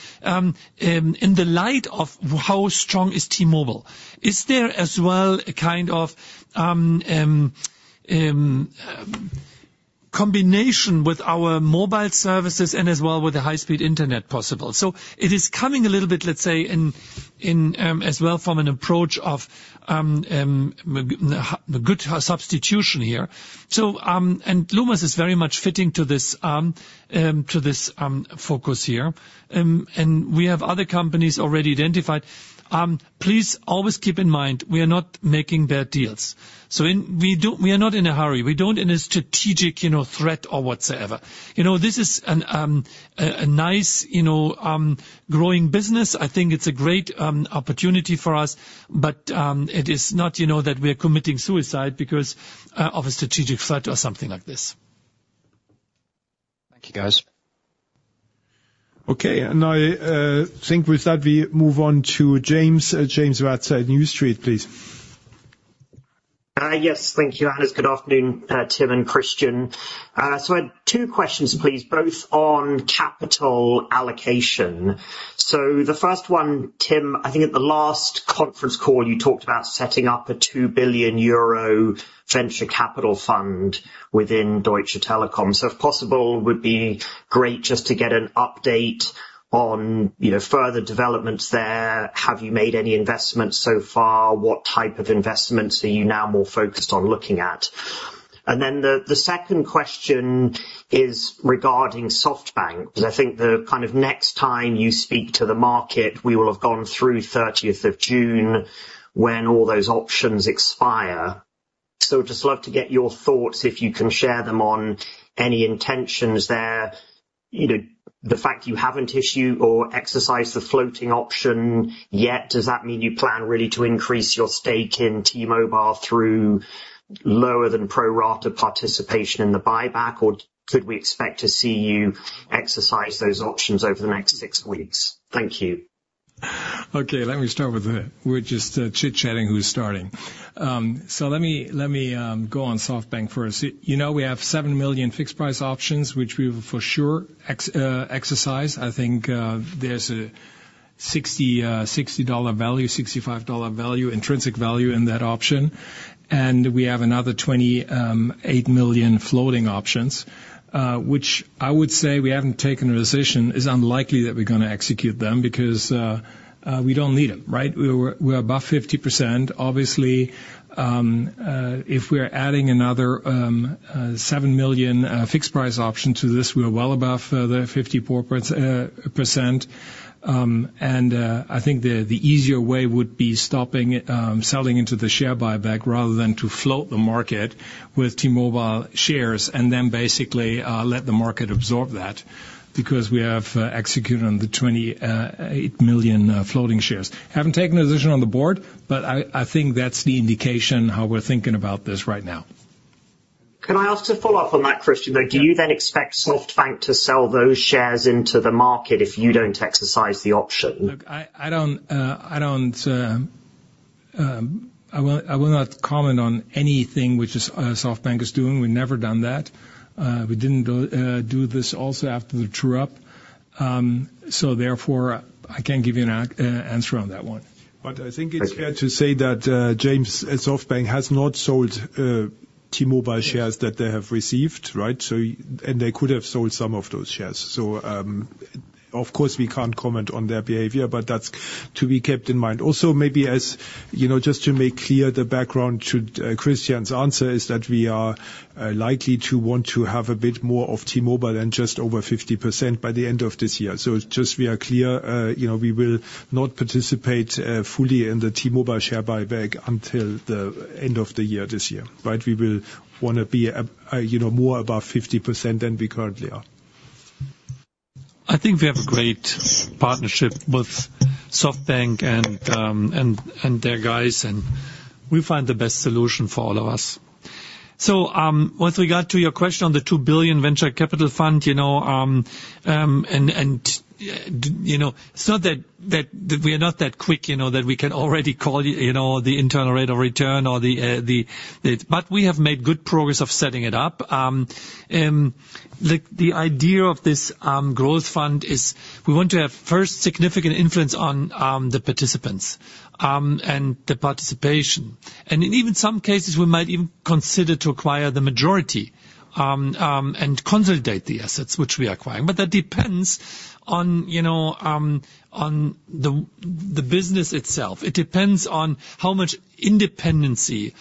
in the light of how strong is T-Mobile. Is there as well a kind of combination with our mobile services and as well with the high-speed internet possible. So it is coming a little bit, let's say, in as well from an approach of a good substitution here. So, and Lumos is very much fitting to this to this focus here. And we have other companies already identified. Please always keep in mind, we are not making bad deals. So we are not in a hurry, we don't in a strategic, you know, threat or whatsoever. You know, this is a nice, you know, growing business. I think it's a great opportunity for us, but it is not, you know, that we are committing suicide because of a strategic threat or something like this. Thank you, guys. Okay. And I think with that, we move on to James. James Ratzer, New Street, please. Yes, thank you, Hannes. Good afternoon, Tim and Christian. So I have two questions, please, both on capital allocation. So the first one, Tim, I think at the last conference call, you talked about setting up a 2 billion euro venture capital fund within Deutsche Telekom. So if possible, it would be great just to get an update on, you know, further developments there. Have you made any investments so far? What type of investments are you now more focused on looking at? And then the second question is regarding SoftBank, because I think the kind of next time you speak to the market, we will have gone through 30th of June, when all those options expire. So just love to get your thoughts, if you can share them, on any intentions there. You know, the fact you haven't issued or exercised the floating option yet, does that mean you plan really to increase your stake in T-Mobile through lower than pro rata participation in the buyback? Or could we expect to see you exercise those options over the next six weeks? Thank you. Okay, let me start with that. We're just chit-chatting who's starting. So let me go on SoftBank first. You know, we have 7 million fixed price options, which we will for sure exercise. I think there's a $60 value, $65 value, intrinsic value in that option. And we have another 28 million floating options, which I would say we haven't taken a decision. It's unlikely that we're gonna execute them because we don't need them, right? We're above 50%. Obviously, if we are adding another 7 million fixed price option to this, we are well above the 54%. And I think the easier way would be stopping selling into the share buyback rather than to float the market with T-Mobile shares, and then basically let the market absorb that, because we have executed on the 28 million floating shares. Haven't taken a decision on the board, but I think that's the indication how we're thinking about this right now. Can I ask to follow up on that, Christian, though? Do you then expect SoftBank to sell those shares into the market if you don't exercise the option? Look, I don't, I will not comment on anything which is SoftBank is doing. We've never done that. We didn't do this also after the true up. So therefore, I can't give you an answer on that one. But I think it's fair to say that, James, SoftBank has not sold T-Mobile shares that they have received, right? So, and they could have sold some of those shares. So, of course, we can't comment on their behavior, but that's to be kept in mind. Also, maybe as, you know, just to make clear, the background to Christian's answer is that we are likely to want to have a bit more of T-Mobile than just over 50% by the end of this year. So just we are clear, you know, we will not participate fully in the T-Mobile share buyback until the end of the year, this year, right? We will wanna be, you know, more above 50% than we currently are. I think we have a great partnership with SoftBank and their guys, and we'll find the best solution for all of us. So, with regard to your question on the 2 billion venture capital fund, you know, we are not that quick, you know, that we can already call, you know, the internal rate of return or the... But we have made good progress of setting it up. The idea of this growth fund is we want to have first, significant influence on the participants and the participation. And in even some cases, we might even consider to acquire the majority and consolidate the assets which we acquire. But that depends on, you know, the business itself. It depends on how much independence does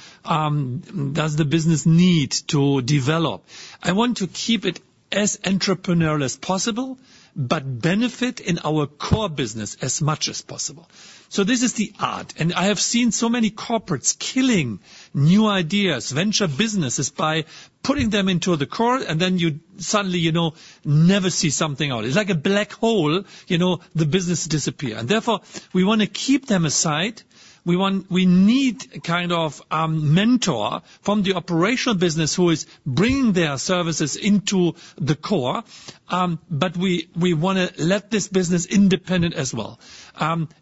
the business need to develop. I want to keep it as entrepreneurial as possible, but benefit in our core business as much as possible. So this is the art, and I have seen so many corporates killing new ideas, venture businesses, by putting them into the core, and then you suddenly, you know, never see something out. It's like a black hole, you know, the business disappear. And therefore, we wanna keep them aside. We want- we need a kind of mentor from the operational business who is bringing their services into the core, but we, we wanna let this business independent as well.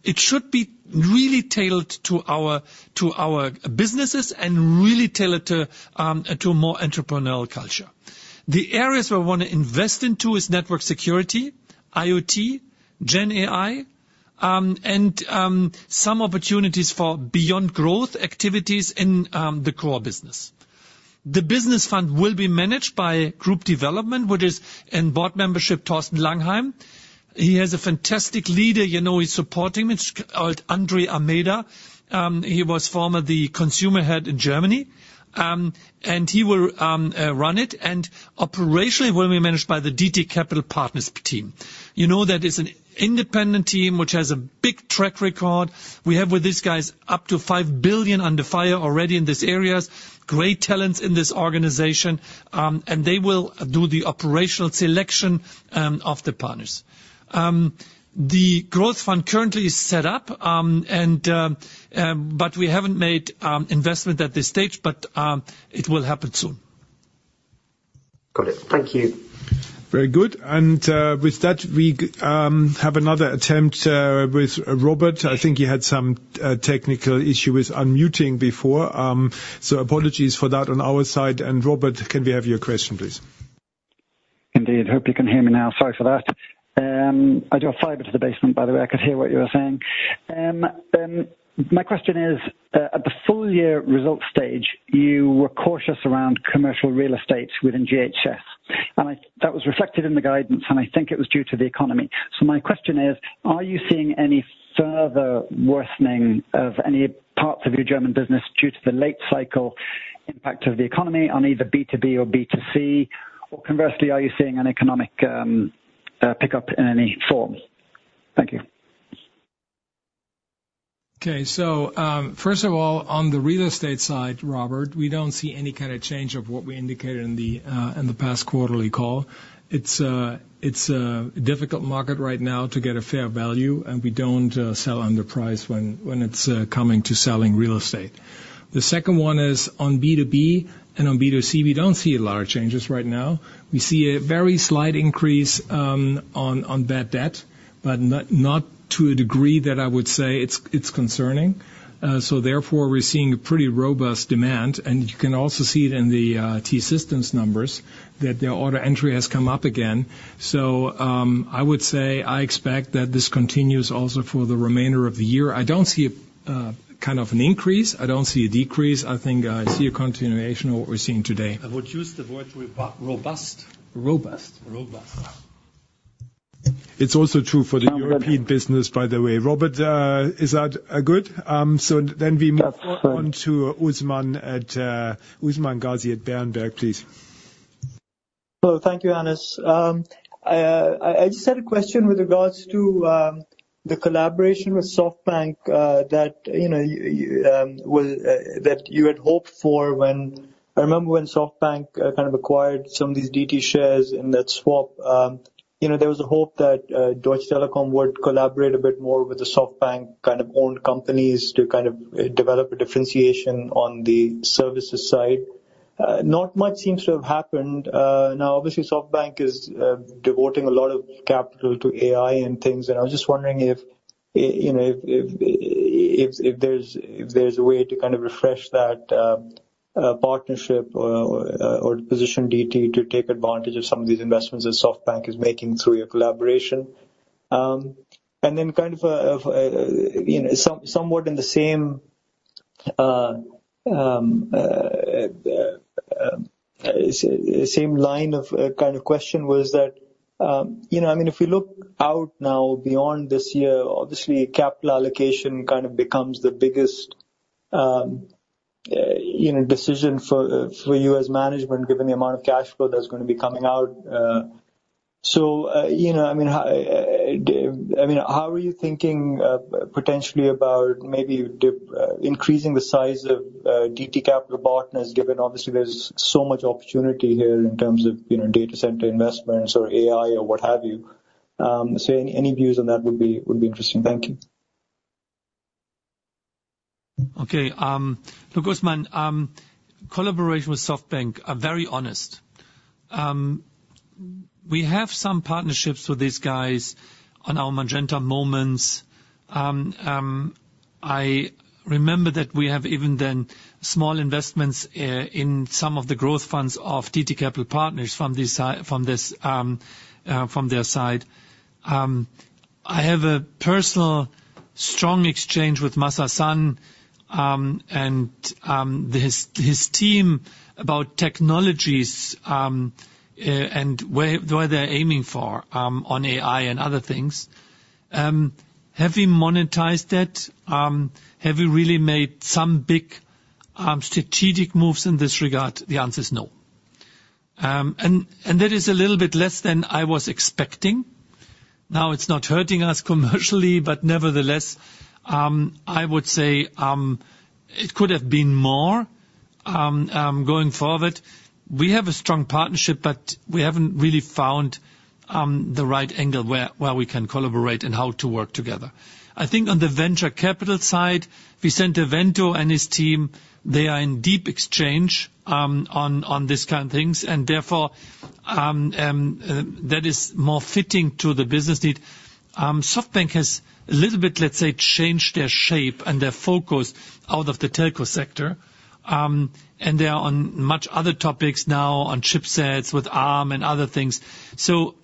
It should be really tailored to our, to our businesses and really tailored to a more entrepreneurial culture. The areas we wanna invest into is network security, IoT, GenAI and some opportunities for beyond growth activities in the core business. The business fund will be managed by Group Development, which is and board member Thorsten Langheim. He has a fantastic leader, you know, he's supporting him, which Andre Almeida. He was formerly the consumer head in Germany. And he will run it, and operationally will be managed by the DT Capital Partners team. You know, that is an independent team which has a big track record. We have with these guys, up to 5 billion under management already in these areas, great talents in this organization, and they will do the operational selection of the partners. The growth fund currently is set up, and but we haven't made investment at this stage, but it will happen soon. Got it. Thank you. Very good. And, with that, we have another attempt with Robert. I think he had some technical issue with unmuting before. So apologies for that on our side. And Robert, can we have your question, please? Indeed. Hope you can hear me now. Sorry for that. I drew a fiber to the basement, by the way, I could hear what you were saying. My question is, at the full year result stage, you were cautious around commercial real estate within GHS. And I-- That was reflected in the guidance, and I think it was due to the economy. So my question is, are you seeing any further worsening of any parts of your German business due to the late cycle impact of the economy on either B2B or B2C? Or conversely, are you seeing an economic, pickup in any form? Thank you. Okay, so, first of all, on the real estate side, Robert, we don't see any kind of change of what we indicated in the, in the past quarterly call. It's a, it's a difficult market right now to get a fair value, and we don't, sell under price when, when it's, coming to selling real estate. The second one is on B2B and on B2C, we don't see a large changes right now. We see a very slight increase, on, on bad debt, but not, not to a degree that I would say it's, it's concerning. So therefore, we're seeing a pretty robust demand, and you can also see it in the, T-Systems numbers, that their order entry has come up again. So, I would say, I expect that this continues also for the remainder of the year. I don't see, kind of an increase. I don't see a decrease. I think I see a continuation of what we're seeing today. I would use the word robust. Robust? Robust. It's also true for the European business, by the way. Robert, is that good? So then we move on to Usman at, Usman Ghazi at Berenberg, please. Well, thank you, Hannes. I just had a question with regards to the collaboration with SoftBank, that, you know, that you had hoped for when... I remember when SoftBank kind of acquired some of these DT shares in that swap, you know, there was a hope that Deutsche Telekom would collaborate a bit more with the SoftBank kind of owned companies to kind of develop a differentiation on the services side. Not much seems to have happened. Now, obviously, SoftBank is devoting a lot of capital to AI and things, and I was just wondering if, you know, if there's a way to kind of refresh that partnership, or position DT to take advantage of some of these investments that SoftBank is making through your collaboration? And then kind of, you know, somewhat in the same line of kind of question was that, you know, I mean, if we look out now beyond this year, obviously, capital allocation kind of becomes the biggest, you know, decision for you as management, given the amount of cash flow that's gonna be coming out. So, you know, I mean, how are you thinking potentially about maybe dip increasing the size of DT Capital Partners, given obviously there's so much opportunity here in terms of, you know, data center investments or AI or what have you? So any views on that would be interesting. Thank you. Okay, look, Usman, collaboration with SoftBank, I'm very honest. We have some partnerships with these guys on our Magenta Moments. I remember that we have even then small investments in some of the growth funds of DT Capital Partners from this from their side. I have a personal strong exchange with Masa Son, and his team about technologies, and where they're aiming for on AI and other things. Have we monetized that? Have we really made some big strategic moves in this regard? The answer is no. And that is a little bit less than I was expecting. Now, it's not hurting us commercially, but nevertheless, I would say it could have been more. Going forward, we have a strong partnership, but we haven't really found the right angle where we can collaborate and how to work together. I think on the venture capital side, we sent Evento and his team, they are in deep exchange on this kind of things, and therefore, that is more fitting to the business need. SoftBank has a little bit, let's say, changed their shape and their focus out of the telco sector, and they are on much other topics now, on chipsets, with Arm and other things. So,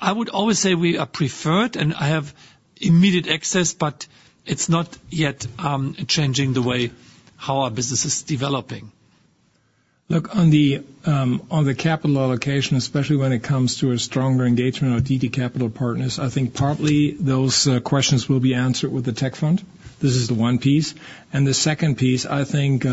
I would always say we are preferred and I have immediate access, but it's not yet changing the way how our business is developing? Look, on the capital allocation, especially when it comes to a stronger engagement with DT Capital Partners, I think partly those questions will be answered with the tech fund. This is the one piece. And the second piece, I think,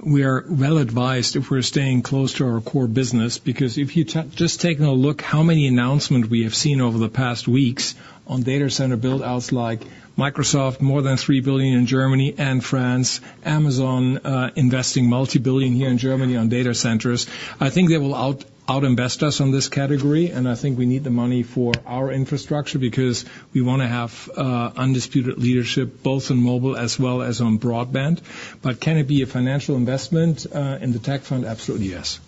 we are well advised if we're staying close to our core business, because if you just taking a look how many announcements we have seen over the past weeks on data center build-outs, like Microsoft, more than 3 billion in Germany and France, Amazon investing multi-billion EUR here in Germany on data centers. I think they will out-invest us on this category, and I think we need the money for our infrastructure because we wanna have undisputed leadership, both in mobile as well as on broadband. But can it be a financial investment in the tech fund? Absolutely, yes.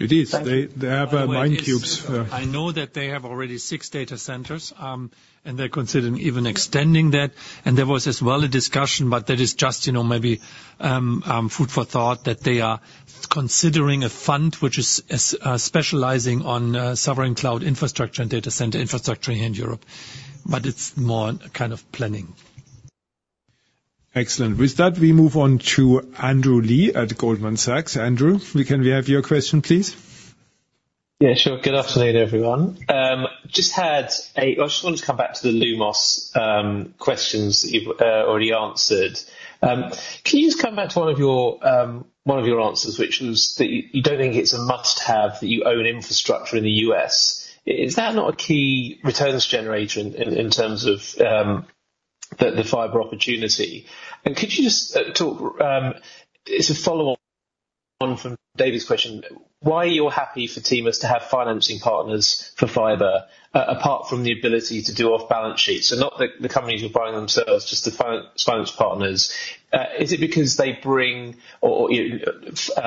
It is. They, they have Maincubes. I know that they have already six data centers, and they're considering even extending that. There was as well a discussion, but that is just, you know, maybe, food for thought, that they are considering a fund which is specializing on sovereign cloud infrastructure and data center infrastructure here in Europe. But it's more kind of planning. Excellent. With that, we move on to Andrew Lee at Goldman Sachs. Andrew, we-- can we have your question, please? Yeah, sure. Good afternoon, everyone. I just wanted to come back to the Lumos questions that you've already answered. Can you just come back to one of your one of your answers, which was that you you don't think it's a must-have that you own infrastructure in the US. Is that not a key returns generator in in terms of the the fiber opportunity? And could you just talk it's a follow on from David's question. Why are you happy for T-Mobile to have financing partners for fiber apart from the ability to do off balance sheet? So not the the companies who buy them themselves, just the finance partners. Is it because they bring or or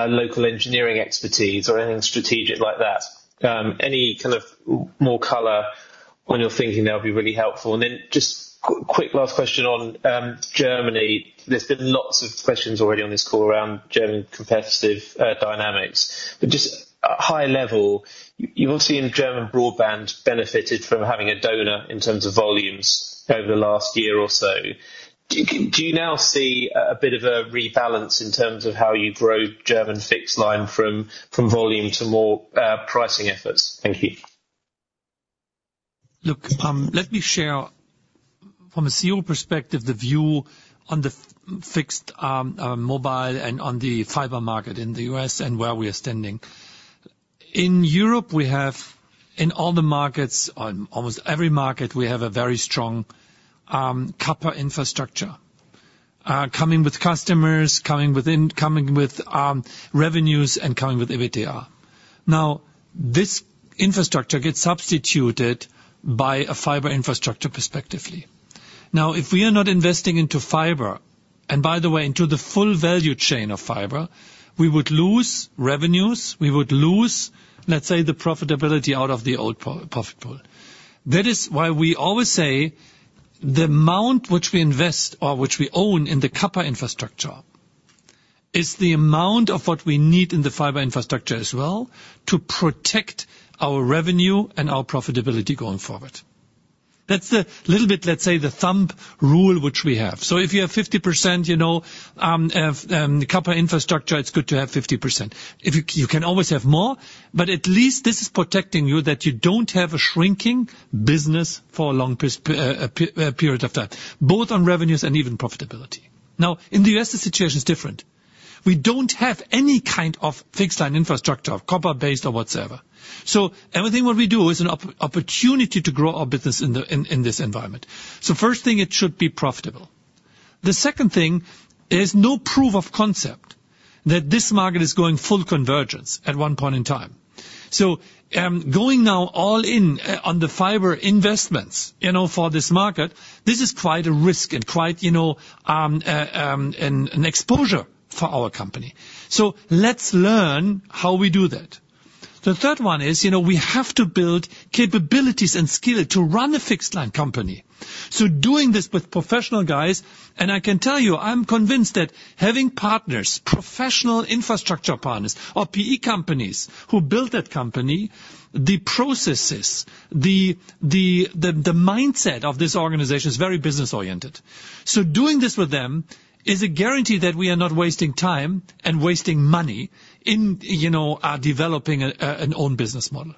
local engineering expertise or anything strategic like that? Any kind of more color on your thinking there would be really helpful. And then just quick last question on Germany. There's been lots of questions already on this call around German competitive dynamics. But just high level, you've seen German broadband benefited from having a donor in terms of volumes over the last year or so. Do you now see a bit of a rebalance in terms of how you grow German fixed line from volume to more pricing efforts? Thank you. Look, let me share from a CEO perspective, the view on the fixed mobile and on the fiber market in the US and where we are standing. In Europe, we have, in all the markets, on almost every market, we have a very strong copper infrastructure coming with customers, coming with revenues and coming with EBITDA. Now, this infrastructure gets substituted by a fiber infrastructure prospectively. Now, if we are not investing into fiber, and by the way, into the full value chain of fiber, we would lose revenues, we would lose, let's say, the profitability out of the old profit pool. That is why we always say the amount which we invest or which we own in the copper infrastructure, is the amount of what we need in the fiber infrastructure as well, to protect our revenue and our profitability going forward. That's the little bit, let's say, the thumb rule, which we have. So if you have 50%, you know, copper infrastructure, it's good to have 50%. If you-- you can always have more, but at least this is protecting you, that you don't have a shrinking business for a long period of time, both on revenues and even profitability. Now, in the US, the situation is different. We don't have any kind of fixed line infrastructure, copper-based or whatsoever. So everything what we do is an opportunity to grow our business in the, in, in this environment. So first thing, it should be profitable. The second thing, there's no proof of concept that this market is going full convergence at one point in time. So, going now all in on the fiber investments, you know, for this market, this is quite a risk and quite, you know, an exposure for our company. So let's learn how we do that. The third one is, you know, we have to build capabilities and skill to run a fixed line company. So doing this with professional guys, and I can tell you, I'm convinced that having partners, professional infrastructure partners or PE companies, who build that company, the processes, the mindset of this organization is very business-oriented. So doing this with them is a guarantee that we are not wasting time and wasting money in, you know, developing an own business model.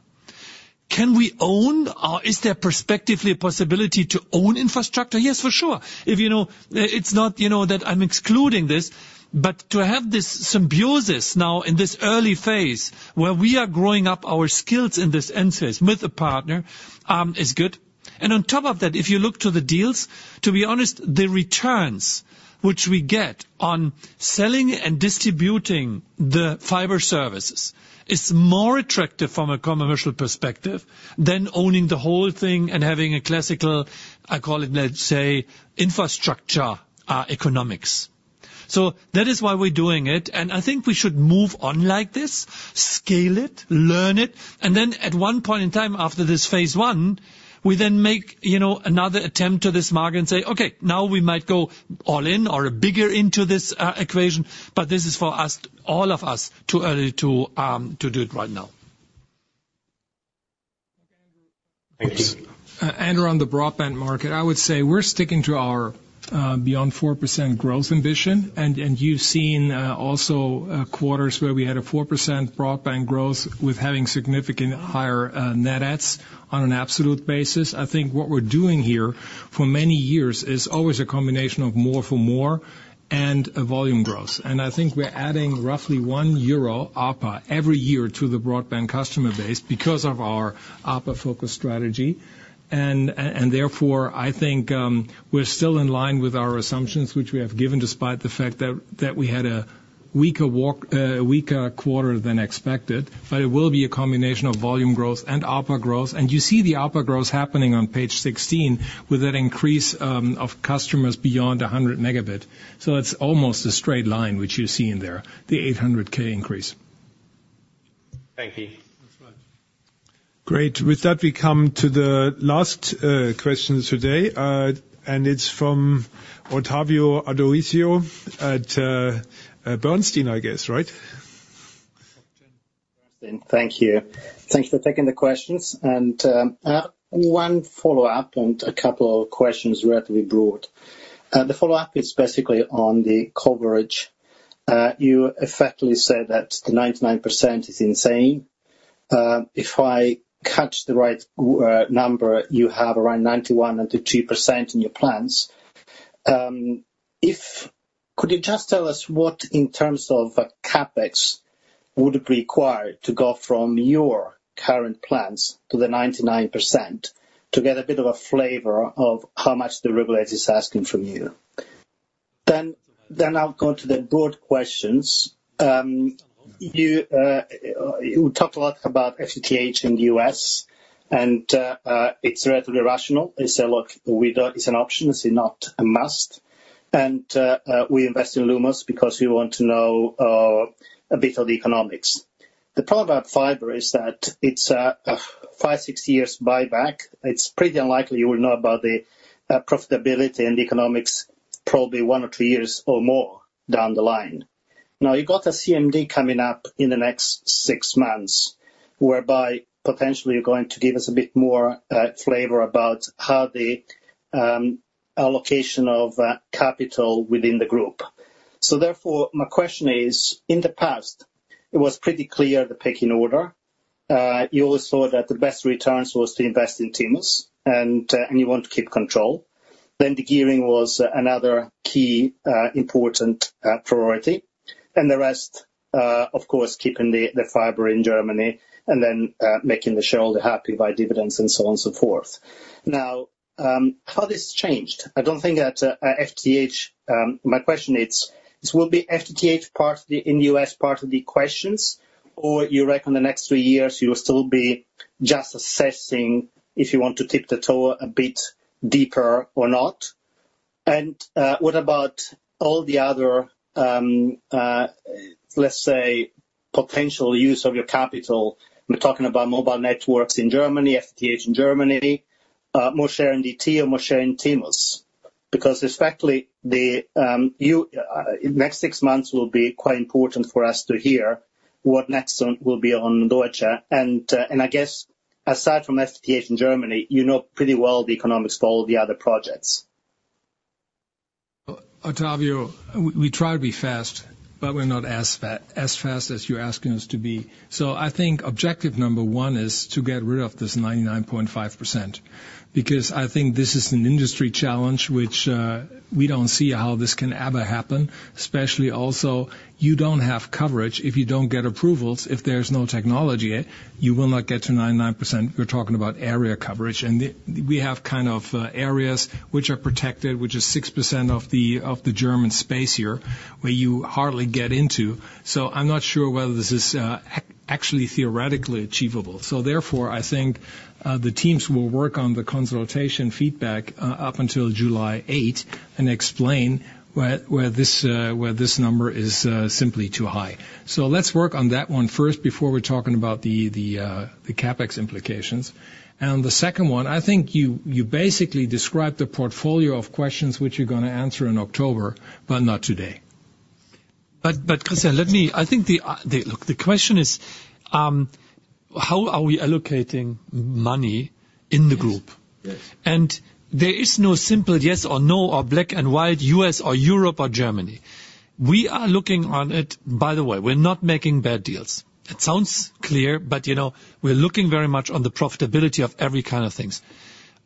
Can we own or is there perspectively a possibility to own infrastructure? Yes, for sure. If you know, it's not, you know, that I'm excluding this, but to have this symbiosis now in this early phase, where we are growing up our skills in this end phase with a partner is good. And on top of that, if you look to the deals, to be honest, the returns which we get on selling and distributing the fiber services is more attractive from a commercial perspective than owning the whole thing and having a classical, I call it, let's say, infrastructure economics. So that is why we're doing it, and I think we should move on like this, scale it, learn it, and then at one point in time, after this phase one, we then make, you know, another attempt to this market and say, "Okay, now we might go all in or bigger into this equation," but this is, for us, all of us, too early to do it right now. Thank you. And around the broadband market, I would say we're sticking to our beyond 4% growth ambition. And you've seen also quarters where we had a 4% broadband growth with having significant higher net adds on an absolute basis. I think what we're doing here for many years is always a combination of more for more and a volume growth. And I think we're adding roughly 1 euro ARPA every year to the broadband customer base because of our ARPA-focused strategy. And therefore, I think we're still in line with our assumptions, which we have given, despite the fact that we had a weaker walk weaker quarter than expected. But it will be a combination of volume growth and ARPA growth. You see the ARPA growth happening on page 16, with an increase of customers beyond 100 megabit. It's almost a straight line, which you see in there, the 800K increase. Thank you. That's right. Great. With that, we come to the last question today, and it's from Ottavio Adorisio at Bernstein, I guess, right? Thank you. Thank you for taking the questions. One follow-up and a couple of questions, relatively broad. The follow-up is basically on the coverage. You effectively said that the 99% is insane. If I catch the right number, you have around 91%-92% in your plans. Could you just tell us what, in terms of CapEx, would be required to go from your current plans to the 99% to get a bit of a flavor of how much the regulator is asking from you? Then I'll go to the broad questions. You talked a lot about FTTH in the US, and it's relatively rational. You say: "Look, we don't... It's an option, it's not a must. We invest in Lumos because we want to know a bit of the economics. The problem about fiber is that it's a five to six years buyback. It's pretty unlikely you will know about the profitability and the economics, probably one or two years or more down the line. Now, you got a CMD coming up in the next six months, whereby potentially you're going to give us a bit more flavor about how the allocation of capital within the group. So therefore, my question is: In the past, it was pretty clear, the pecking order. You always saw that the best returns was to invest in T-Systems, and you want to keep control. Then the gearing was another key, important, priority, and the rest, of course, keeping the fiber in Germany and then, making the shareholder happy by dividends and so on and so forth. Now, how this changed? I don't think that, FTTH... My question is: Will the FTTH part in the US, part of the questions, or you reckon the next three years, you will still be just assessing if you want to tip the toe a bit deeper or not? And, what about all the other, let's say, potential use of your capital? We're talking about mobile networks in Germany, FTTH in Germany, more share in DT or more share in T-Systems. Because effectively, the next six months will be quite important for us to hear what next will be on Deutsche. I guess aside from FTTH in Germany, you know pretty well the economics for all the other projects. Ottavio, we try to be fast, but we're not as fast as you're asking us to be. So I think objective number one is to get rid of this 99.5%, because I think this is an industry challenge which we don't see how this can ever happen. Especially also, you don't have coverage if you don't get approvals. If there's no technology, you will not get to 99%. We're talking about area coverage, and we have kind of areas which are protected, which is 6% of the German space here, where you hardly get into. So I'm not sure whether this is actually theoretically achievable. So therefore, I think, the teams will work on the consultation feedback, up until July 8 and explain where this number is simply too high. So let's work on that one first before we're talking about the CapEx implications. And the second one, I think you basically described the portfolio of questions which you're gonna answer in October, but not today. But, Christian, let me. I think the... Look, the question is, how are we allocating money in the group? Yes. There is no simple yes or no or black and white, U.S. or Europe or Germany. We are looking on it. By the way, we're not making bad deals. It sounds clear, but, you know, we're looking very much on the profitability of every kind of things.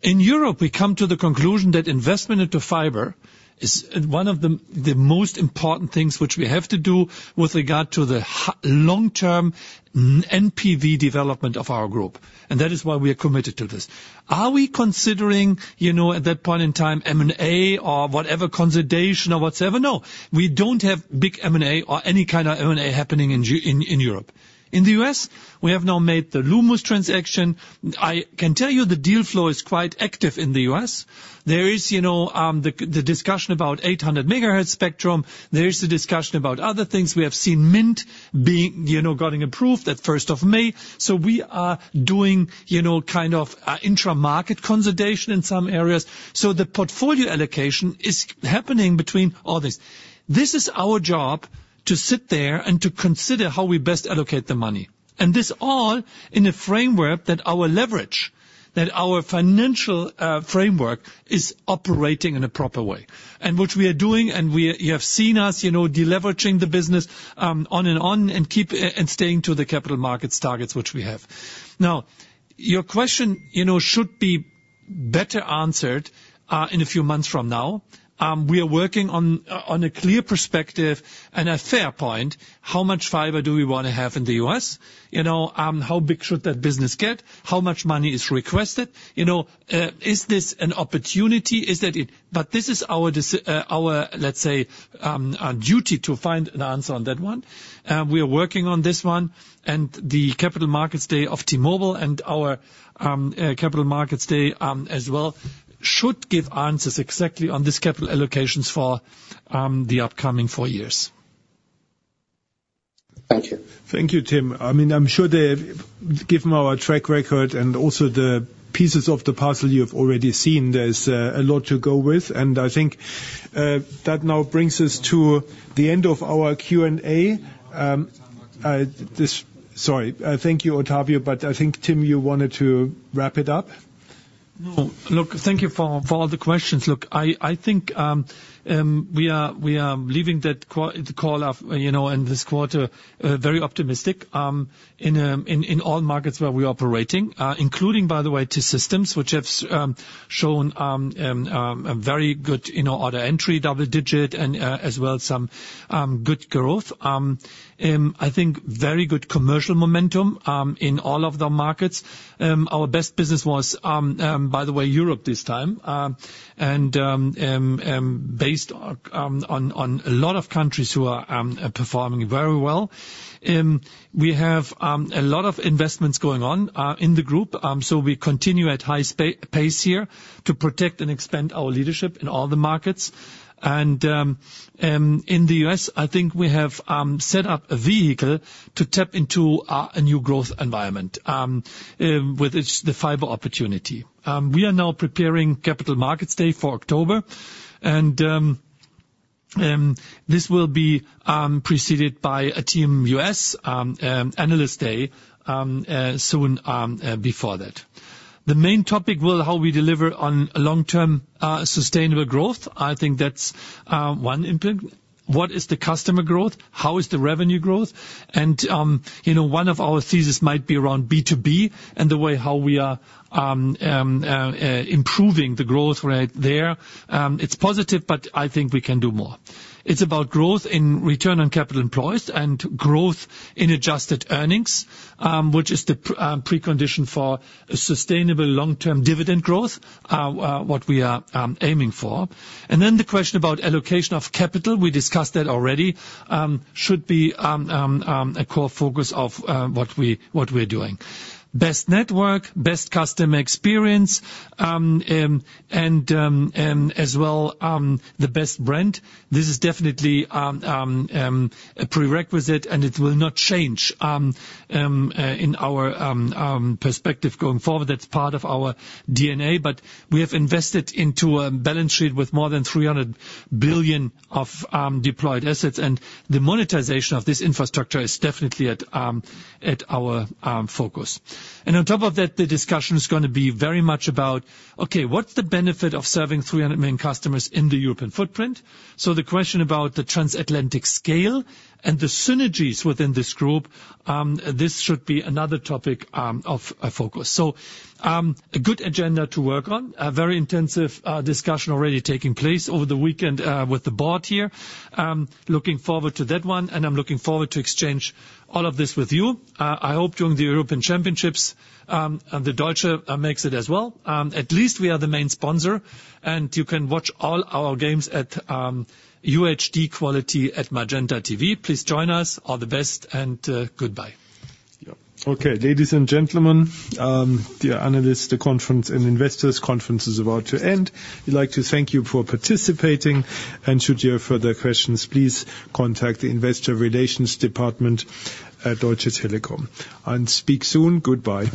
In Europe, we come to the conclusion that investment into fiber is one of the most important things which we have to do with regard to the long-term NPV development of our group, and that is why we are committed to this. Are we considering, you know, at that point in time, M&A or whatever consolidation or whatsoever? No, we don't have big M&A or any kind of M&A happening in Europe. In the U.S., we have now made the Lumos transaction. I can tell you the deal flow is quite active in the U.S. There is, you know, the discussion about 800 megahertz spectrum. There is the discussion about other things. We have seen Mint being, you know, getting approved at first of May. So we are doing, you know, kind of, intra-market consolidation in some areas. So the portfolio allocation is happening between all this. This is our job, to sit there and to consider how we best allocate the money. And this all in a framework that our leverage that our financial framework is operating in a proper way. And which we are doing, and you have seen us, you know, deleveraging the business, on and on, and keep, and staying to the capital markets targets which we have. Now, your question, you know, should be better answered in a few months from now. We are working on on a clear perspective and a fair point, how much fiber do we wanna have in the U.S.? You know, how big should that business get? How much money is requested? You know, is this an opportunity? Is that it-- But this is our our, let's say, duty to find an answer on that one. We are working on this one, and the Capital Markets Day of T-Mobile and our Capital Markets Day, as well, should give answers exactly on this capital allocations for the upcoming four years. Thank you. Thank you, Tim. I mean, I'm sure they've, given our track record and also the pieces of the puzzle you've already seen, there's a lot to go with, and I think that now brings us to the end of our Q&A. Sorry, thank you, Ottavio, but I think, Tim, you wanted to wrap it up? No. Look, thank you for all the questions. Look, I think we are leaving the call off, you know, and this quarter very optimistic. In all markets where we operating, including, by the way, T-Systems, which have shown a very good, you know, order entry, double digit, and as well, some good growth. I think very good commercial momentum in all of the markets. Our best business was, by the way, Europe this time. And based on a lot of countries who are performing very well. We have a lot of investments going on in the group, so we continue at high pace here to protect and expand our leadership in all the markets. And in the US, I think we have set up a vehicle to tap into a new growth environment with the fiber opportunity. We are now preparing Capital Markets Day for October, and this will be preceded by a T-Mobile US Analyst Day soon before that. The main topic will be how we deliver on long-term sustainable growth. I think that's one input. What is the customer growth? How is the revenue growth? And you know, one of our thesis might be around B2B and the way how we are improving the growth rate there. It's positive, but I think we can do more. It's about growth in return on capital employees and growth in adjusted earnings, which is the precondition for a sustainable long-term dividend growth, what we are aiming for. Then the question about allocation of capital, we discussed that already, should be a core focus of what we're doing. Best network, best customer experience, and as well the best brand. This is definitely a prerequisite, and it will not change in our perspective going forward. That's part of our DNA. But we have invested into a balance sheet with more than 300 billion of deployed assets, and the monetization of this infrastructure is definitely at our focus. On top of that, the discussion is gonna be very much about, okay, what's the benefit of serving 300 million customers in the European footprint? The question about the transatlantic scale and the synergies within this group, this should be another topic of focus. A good agenda to work on. A very intensive discussion already taking place over the weekend with the board here. Looking forward to that one, and I'm looking forward to exchange all of this with you. I hope during the European championships and the Deutsche makes it as well. At least we are the main sponsor, and you can watch all our games at UHD quality at MagentaTV. Please join us. All the best, and goodbye. Okay. Ladies and gentlemen, the analysts conference and investors conference is about to end. We'd like to thank you for participating, and should you have further questions, please contact the investor relations department at Deutsche Telekom. Speak soon. Goodbye.